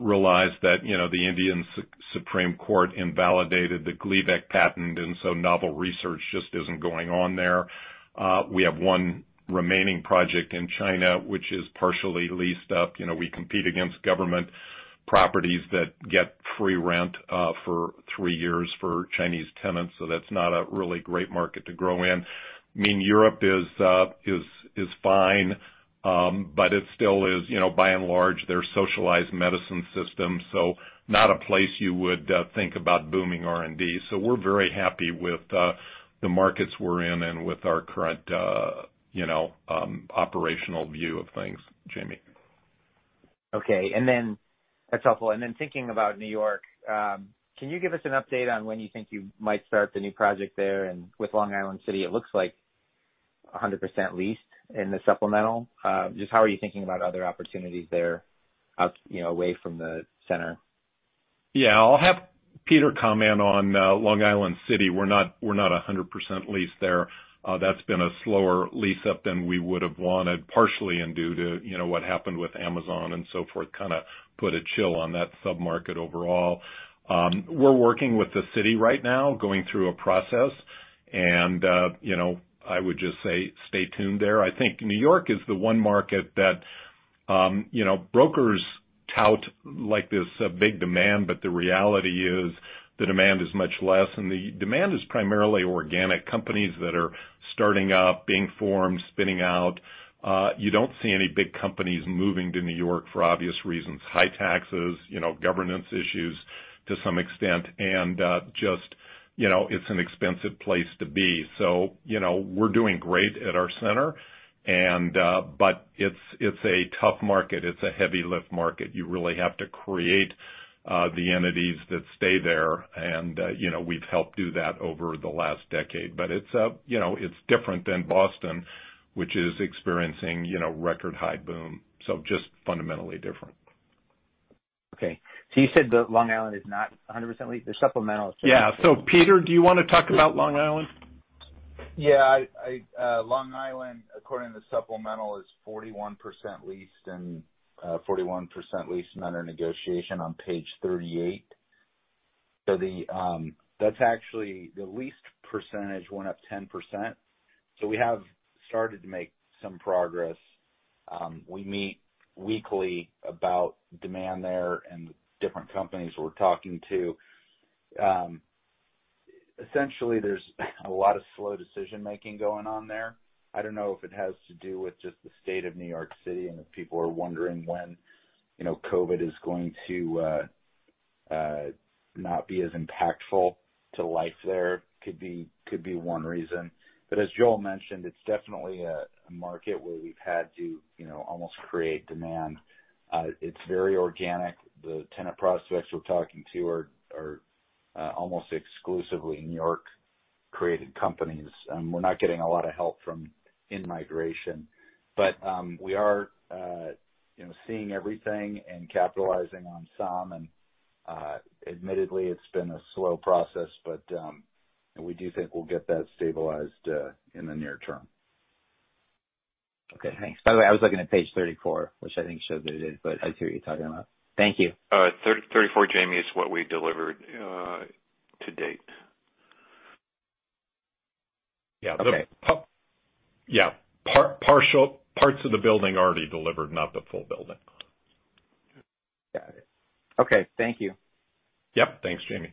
realized that the Indian Supreme Court invalidated the Gleevec patent, and so novel research just isn't going on there. We have one remaining project in China, which is partially leased up. We compete against government properties that get free rent for three years for Chinese tenants, so that's not a really great market to grow in. Europe is fine, but it still is, by and large, their socialized medicine system, so not a place you would think about booming R&D. We're very happy with the markets we're in and with our current operational view of things, Jamie. Okay. That's helpful. Thinking about New York, can you give us an update on when you think you might start the new project there? With Long Island City, it looks like 100% leased in the supplemental. Just how are you thinking about other opportunities there away from the center? I'll have Peter comment on Long Island City. We're not 100% leased there. That's been a slower lease up than we would've wanted, partially in due to what happened with Amazon and so forth, kind of put a chill on that sub-market overall. We're working with the city right now, going through a process, and I would just say stay tuned there. I think New York is the one market that brokers tout like there's a big demand, but the reality is the demand is much less, and the demand is primarily organic, companies that are starting up, being formed, spinning out. You don't see any big companies moving to New York for obvious reasons, high taxes, governance issues to some extent, and just it's an expensive place to be. We're doing great at our center, but it's a tough market. It's a heavy lift market. You really have to create the entities that stay there, and we've helped do that over the last decade. It's different than Boston, which is experiencing record high boom. Just fundamentally different. Okay. You said that Long Island is not 100% leased. The supplemental is- Yeah. Peter, do you want to talk about Long Island? Yeah. Long Island, according to the supplemental, is 41% leased and under negotiation on page 38. That's actually the leased percentage went up 10%. We have started to make some progress. We meet weekly about demand there and the different companies we're talking to. Essentially, there's a lot of slow decision-making going on there. I don't know if it has to do with just the state of New York City, and if people are wondering when COVID is going to not be as impactful to life there, could be one reason. As Joel mentioned, it's definitely a market where we've had to almost create demand. It's very organic. The tenant prospects we're talking to are almost exclusively New York-created companies. We're not getting a lot of help from in-migration. We are seeing everything and capitalizing on some, and admittedly, it's been a slow process, but we do think we'll get that stabilized in the near term. Okay, thanks. By the way, I was looking at page 34, which I think shows that it is, but I see what you're talking about. Thank you. $34, Jamie, is what we delivered to date. Yeah. Okay. Yeah. Parts of the building already delivered, not the full building. Got it. Okay. Thank you. Yep. Thanks, Jamie.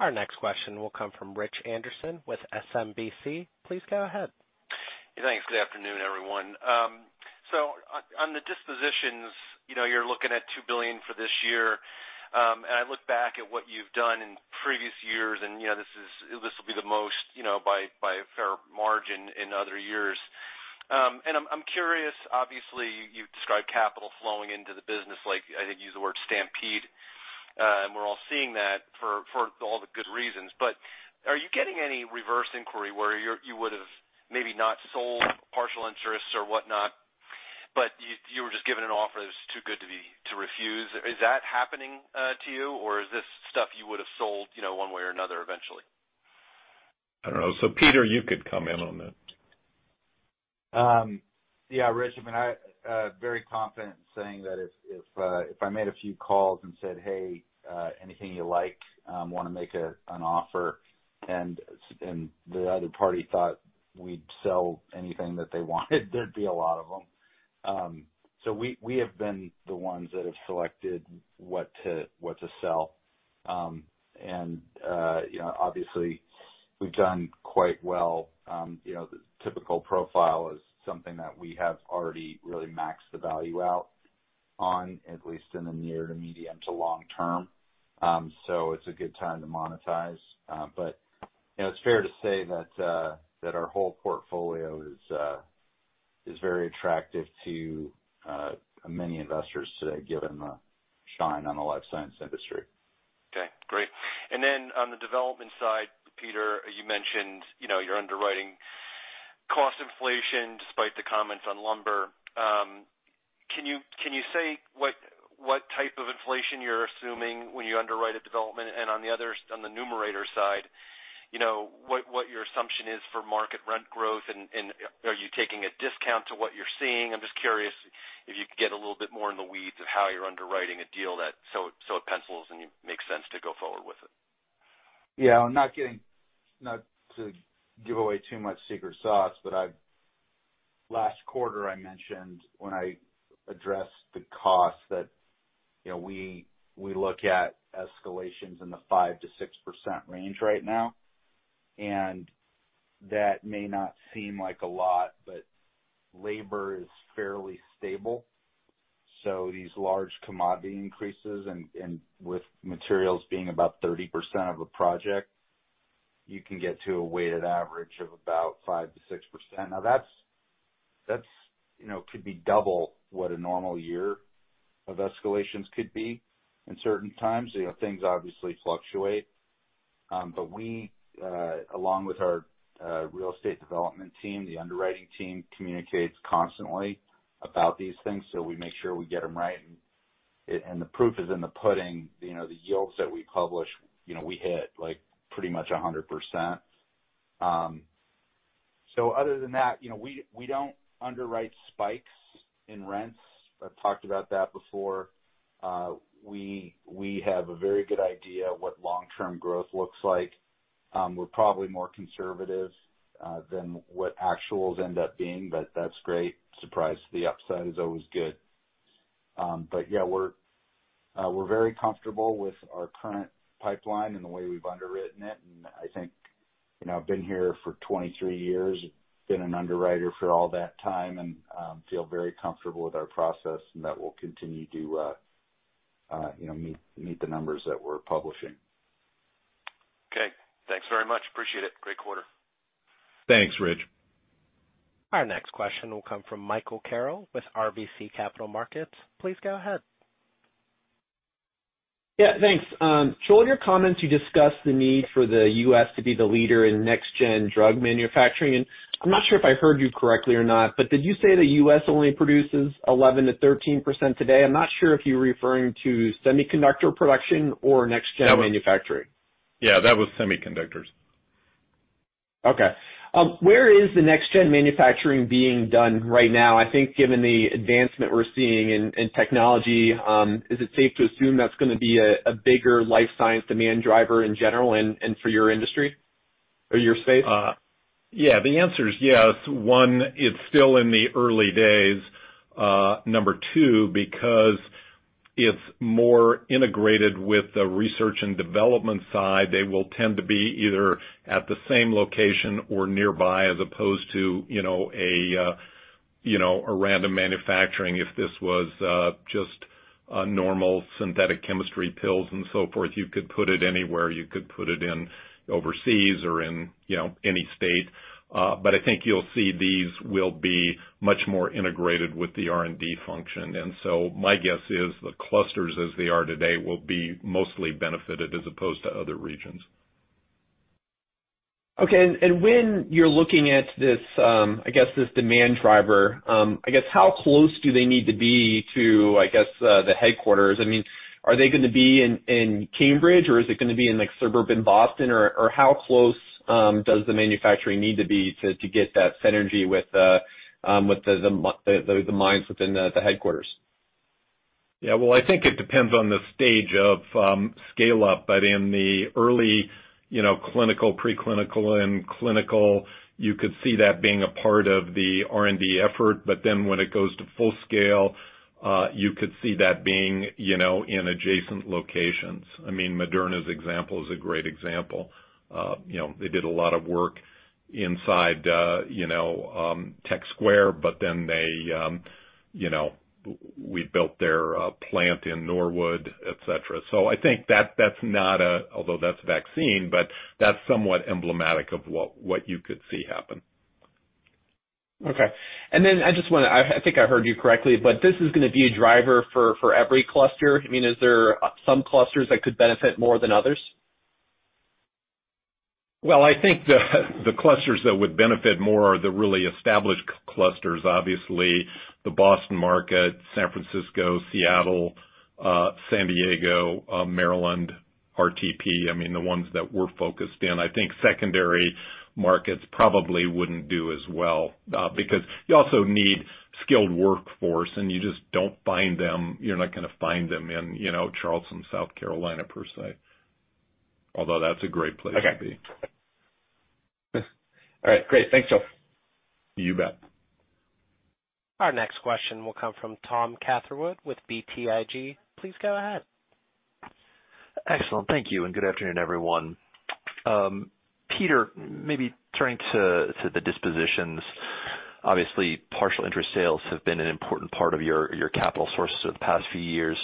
Our next question will come from Richard Anderson with SMBC. Please go ahead. Thanks. Good afternoon, everyone. On the dispositions, you're looking at $2 billion for this year. I look back at what you've done in previous years, and this will be the most by a fair margin in other years. I'm curious, obviously, you've described capital flowing into the business like, I think you used the word stampede. We're all seeing that for all the good reasons, but are you getting any reverse inquiry where you would've maybe not sold partial interests or whatnot, but you were just given an offer that's too good to refuse? Is that happening to you, or is this stuff you would've sold one way or another eventually? I don't know. Peter, you could comment on that. Yeah, Rich. I'm very confident in saying that if I made a few calls and said, "Hey, anything you like, want to make an offer," and the other party thought we'd sell anything that they wanted, there'd be a lot of them. We have been the ones that have selected what to sell. Obviously, we've done quite well. The typical profile is something that we have already really maxed the value out on, at least in the near to medium to long term. It's a good time to monetize. It's fair to say that our whole portfolio is very attractive to many investors today, given the shine on the life science industry. Okay. Great. On the development side, Peter, you mentioned your underwriting cost inflation, despite the comments on lumber. Can you say what type of inflation you're assuming when you underwrite a development? On the numerator side, what your assumption is for market rent growth, and are you taking a discount to what you're seeing? I'm just curious if you could get a little bit more in the weeds of how you're underwriting a deal that so it pencils and makes sense to go forward with it. Yeah. Not to give away too much secret sauce. Last quarter, I mentioned when I addressed the cost that we look at escalations in the 5%-6% range right now. That may not seem like a lot. Labor is fairly stable. These large commodity increases, and with materials being about 30% of the project, you can get to a weighted average of about 5%-6%. That could be double what a normal year of escalations could be in certain times. Things obviously fluctuate. We, along with our real estate development team, the underwriting team communicates constantly about these things. We make sure we get them right. The proof is in the pudding. The yields that we publish, we hit pretty much 100%. Other than that, we don't underwrite spikes in rents. I've talked about that before. We have a very good idea what long-term growth looks like. We're probably more conservative than what actuals end up being, but that's great. Surprised the upside is always good. Yeah, we're very comfortable with our current pipeline and the way we've underwritten it. I've been here for 23 years, been an underwriter for all that time, and feel very comfortable with our process, and that we'll continue to meet the numbers that we're publishing. Okay. Thanks very much. Appreciate it. Great quarter. Thanks, Rich. Our next question will come from Michael Carroll with RBC Capital Markets. Please go ahead. Yeah, thanks. Joel, in your comments, you discussed the need for the U.S. to be the leader in next-gen drug manufacturing. I'm not sure if I heard you correctly or not, but did you say the U.S. only produces 11%-13% today? I'm not sure if you're referring to semiconductor production or next-gen manufacturing. Yeah, that was semiconductors. Okay. Where is the next-gen manufacturing being done right now? I think given the advancement we're seeing in technology, is it safe to assume that's going to be a bigger life science demand driver in general and for your industry or your space? Yeah. The answer is yes. One, it's still in the early days. Number two, because it's more integrated with the research and development side, they will tend to be either at the same location or nearby, as opposed to a random manufacturing. If this was just normal synthetic chemistry pills and so forth, you could put it anywhere. You could put it in overseas or in any state. But I think you'll see these will be much more integrated with the R&D function. My guess is the clusters as they are today will be mostly benefited as opposed to other regions. Okay. When you're looking at this demand driver, how close do they need to be to the headquarters? Are they going to be in Cambridge or is it going to be in suburban Boston, or how close does the manufacturing need to be to get that synergy with the minds within the headquarters? Yeah. Well, I think it depends on the stage of scale-up, but in the early preclinical and clinical, you could see that being a part of the R&D effort, but then when it goes to full scale, you could see that being in adjacent locations. Moderna's example is a great example. They did a lot of work inside Tech Square, but then we built their plant in Norwood, et cetera. I think, although that's a vaccine, but that's somewhat emblematic of what you could see happen. Okay. I think I heard you correctly, this is going to be a driver for every cluster. Is there some clusters that could benefit more than others? Well, I think the clusters that would benefit more are the really established clusters. Obviously, the Boston market, San Francisco, Seattle, San Diego, Maryland, RTP, the ones that we're focused in. I think secondary markets probably wouldn't do as well, because you also need skilled workforce and you're not going to find them in Charleston, South Carolina, per se. Although that's a great place to be. Okay. All right, great. Thanks, Joel. You bet. Our next question will come from Thomas Catherwood with BTIG. Please go ahead. Excellent. Thank you and good afternoon, everyone. Peter, maybe turning to the dispositions. Obviously, partial interest sales have been an important part of your capital sources over the past few years.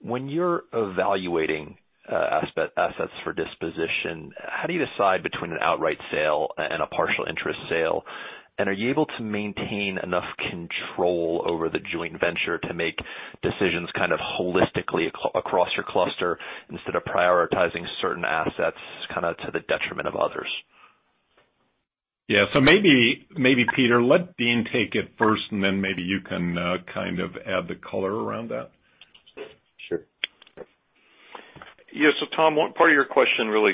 When you're evaluating assets for disposition, how do you decide between an outright sale and a partial interest sale? Are you able to maintain enough control over the joint venture to make decisions holistically across your cluster instead of prioritizing certain assets to the detriment of others? Yeah. Maybe, Peter, let Dean take it first. Maybe you can add the color around that. Sure. Yeah. Tom, one part of your question really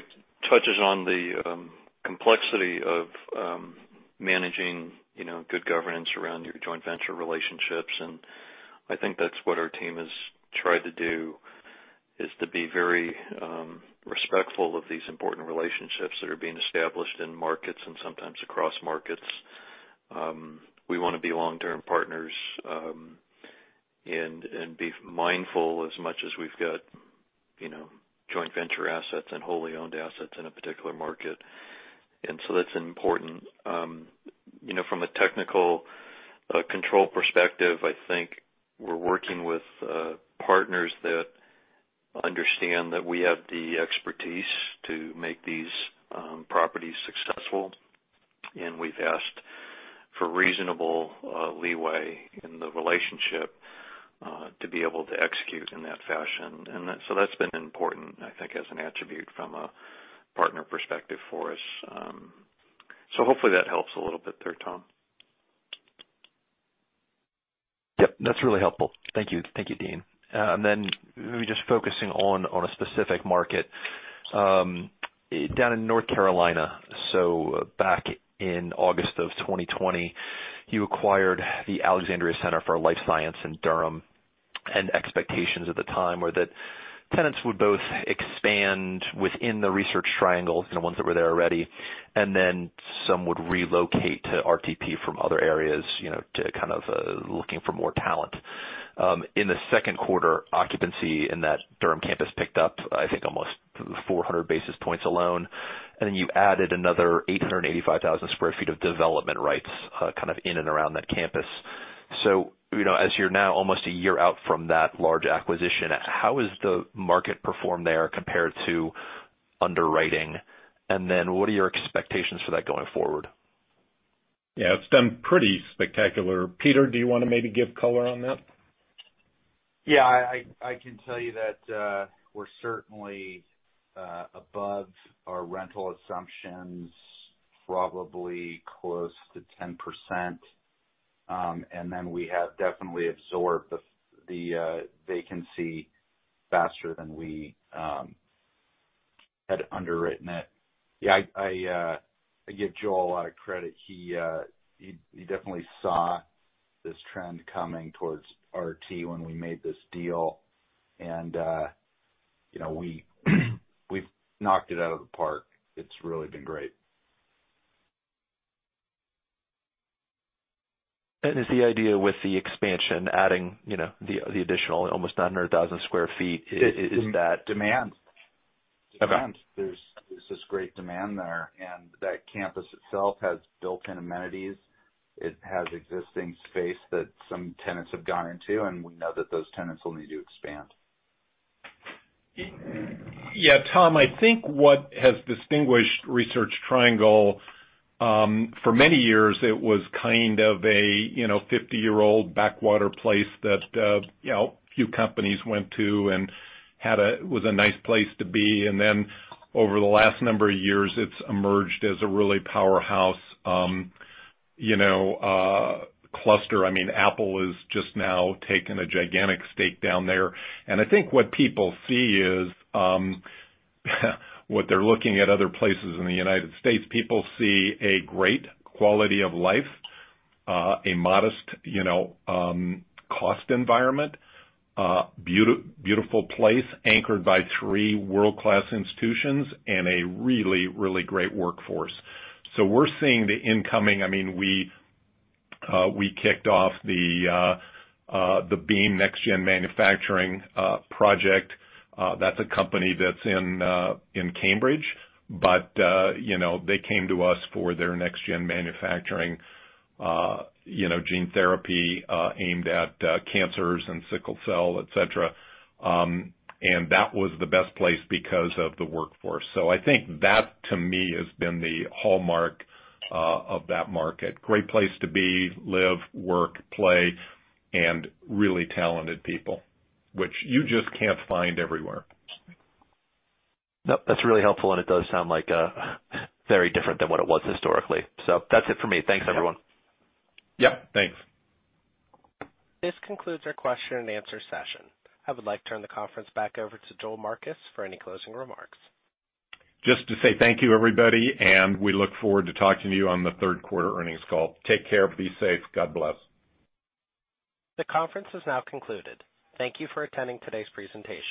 touches on the complexity of managing good governance around your joint venture relationships, and I think that's what our team has tried to do, is to be very respectful of these important relationships that are being established in markets and sometimes across markets. We want to be long-term partners and be mindful as much as we've got joint venture assets and wholly owned assets in a particular market. That's important. From a technical control perspective, I think we're working with partners that understand that we have the expertise to make these properties successful, and we've asked for reasonable leeway in the relationship to be able to execute in that fashion. That's been important, I think, as an attribute from a partner perspective for us. Hopefully that helps a little bit there, Tom. Yep, that's really helpful. Thank you, Dean. Maybe just focusing on a specific market. Down in North Carolina, so back in August of 2020, you acquired the Alexandria Center for Life Science in Durham, and expectations at the time were that tenants would both expand within the Research Triangle, the ones that were there already, and then some would relocate to RTP from other areas, kind of looking for more talent. In the second quarter, occupancy in that Durham campus picked up, I think, almost 400 basis points alone. You added another 885,000 sq ft of development rights in and around that campus. As you're now almost a year out from that large acquisition, how has the market performed there compared to underwriting? What are your expectations for that going forward? Yeah, it's been pretty spectacular. Peter, do you want to maybe give color on that? Yeah. I can tell you that, we're certainly above our rental assumptions, probably close to 10%. We have definitely absorbed the vacancy faster than we had underwritten it. Yeah, I give Joel a lot of credit. He definitely saw this trend coming towards REIT when we made this deal. We've knocked it out of the park. It's really been great. Is the idea with the expansion, adding the additional almost another 1,000 sq ft? Demand. Okay. Demand. There's this great demand there, and that campus itself has built-in amenities. It has existing space that some tenants have gone into, and we know that those tenants will need to expand. Yeah, Tom, I think what has distinguished Research Triangle, for many years, it was kind of a 50-year-old backwater place that a few companies went to and was a nice place to be. Over the last number of years, it's emerged as a really powerhouse cluster. Apple has just now taken a gigantic stake down there. I think what people see is what they're looking at other places in the United States. People see a great quality of life, a modest cost environment, beautiful place anchored by three world-class institutions, and a really, really great workforce. We're seeing. We kicked off the Beam NextGen manufacturing project. That's a company that's in Cambridge. They came to us for their next gen manufacturing gene therapy aimed at cancers and sickle cell, et cetera. That was the best place because of the workforce. I think that, to me, has been the hallmark of that market. Great place to be, live, work, play, and really talented people, which you just can't find everywhere. Nope. That's really helpful, and it does sound very different than what it was historically. That's it for me. Thanks, everyone. Yep. Thanks. This concludes our question and answer session. I would like to turn the conference back over to Joel Marcus for any closing remarks. Just to say thank you, everybody, and we look forward to talking to you on the third quarter earnings call. Take care. Be safe. God bless. The conference has now concluded. Thank you for attending today's presentation.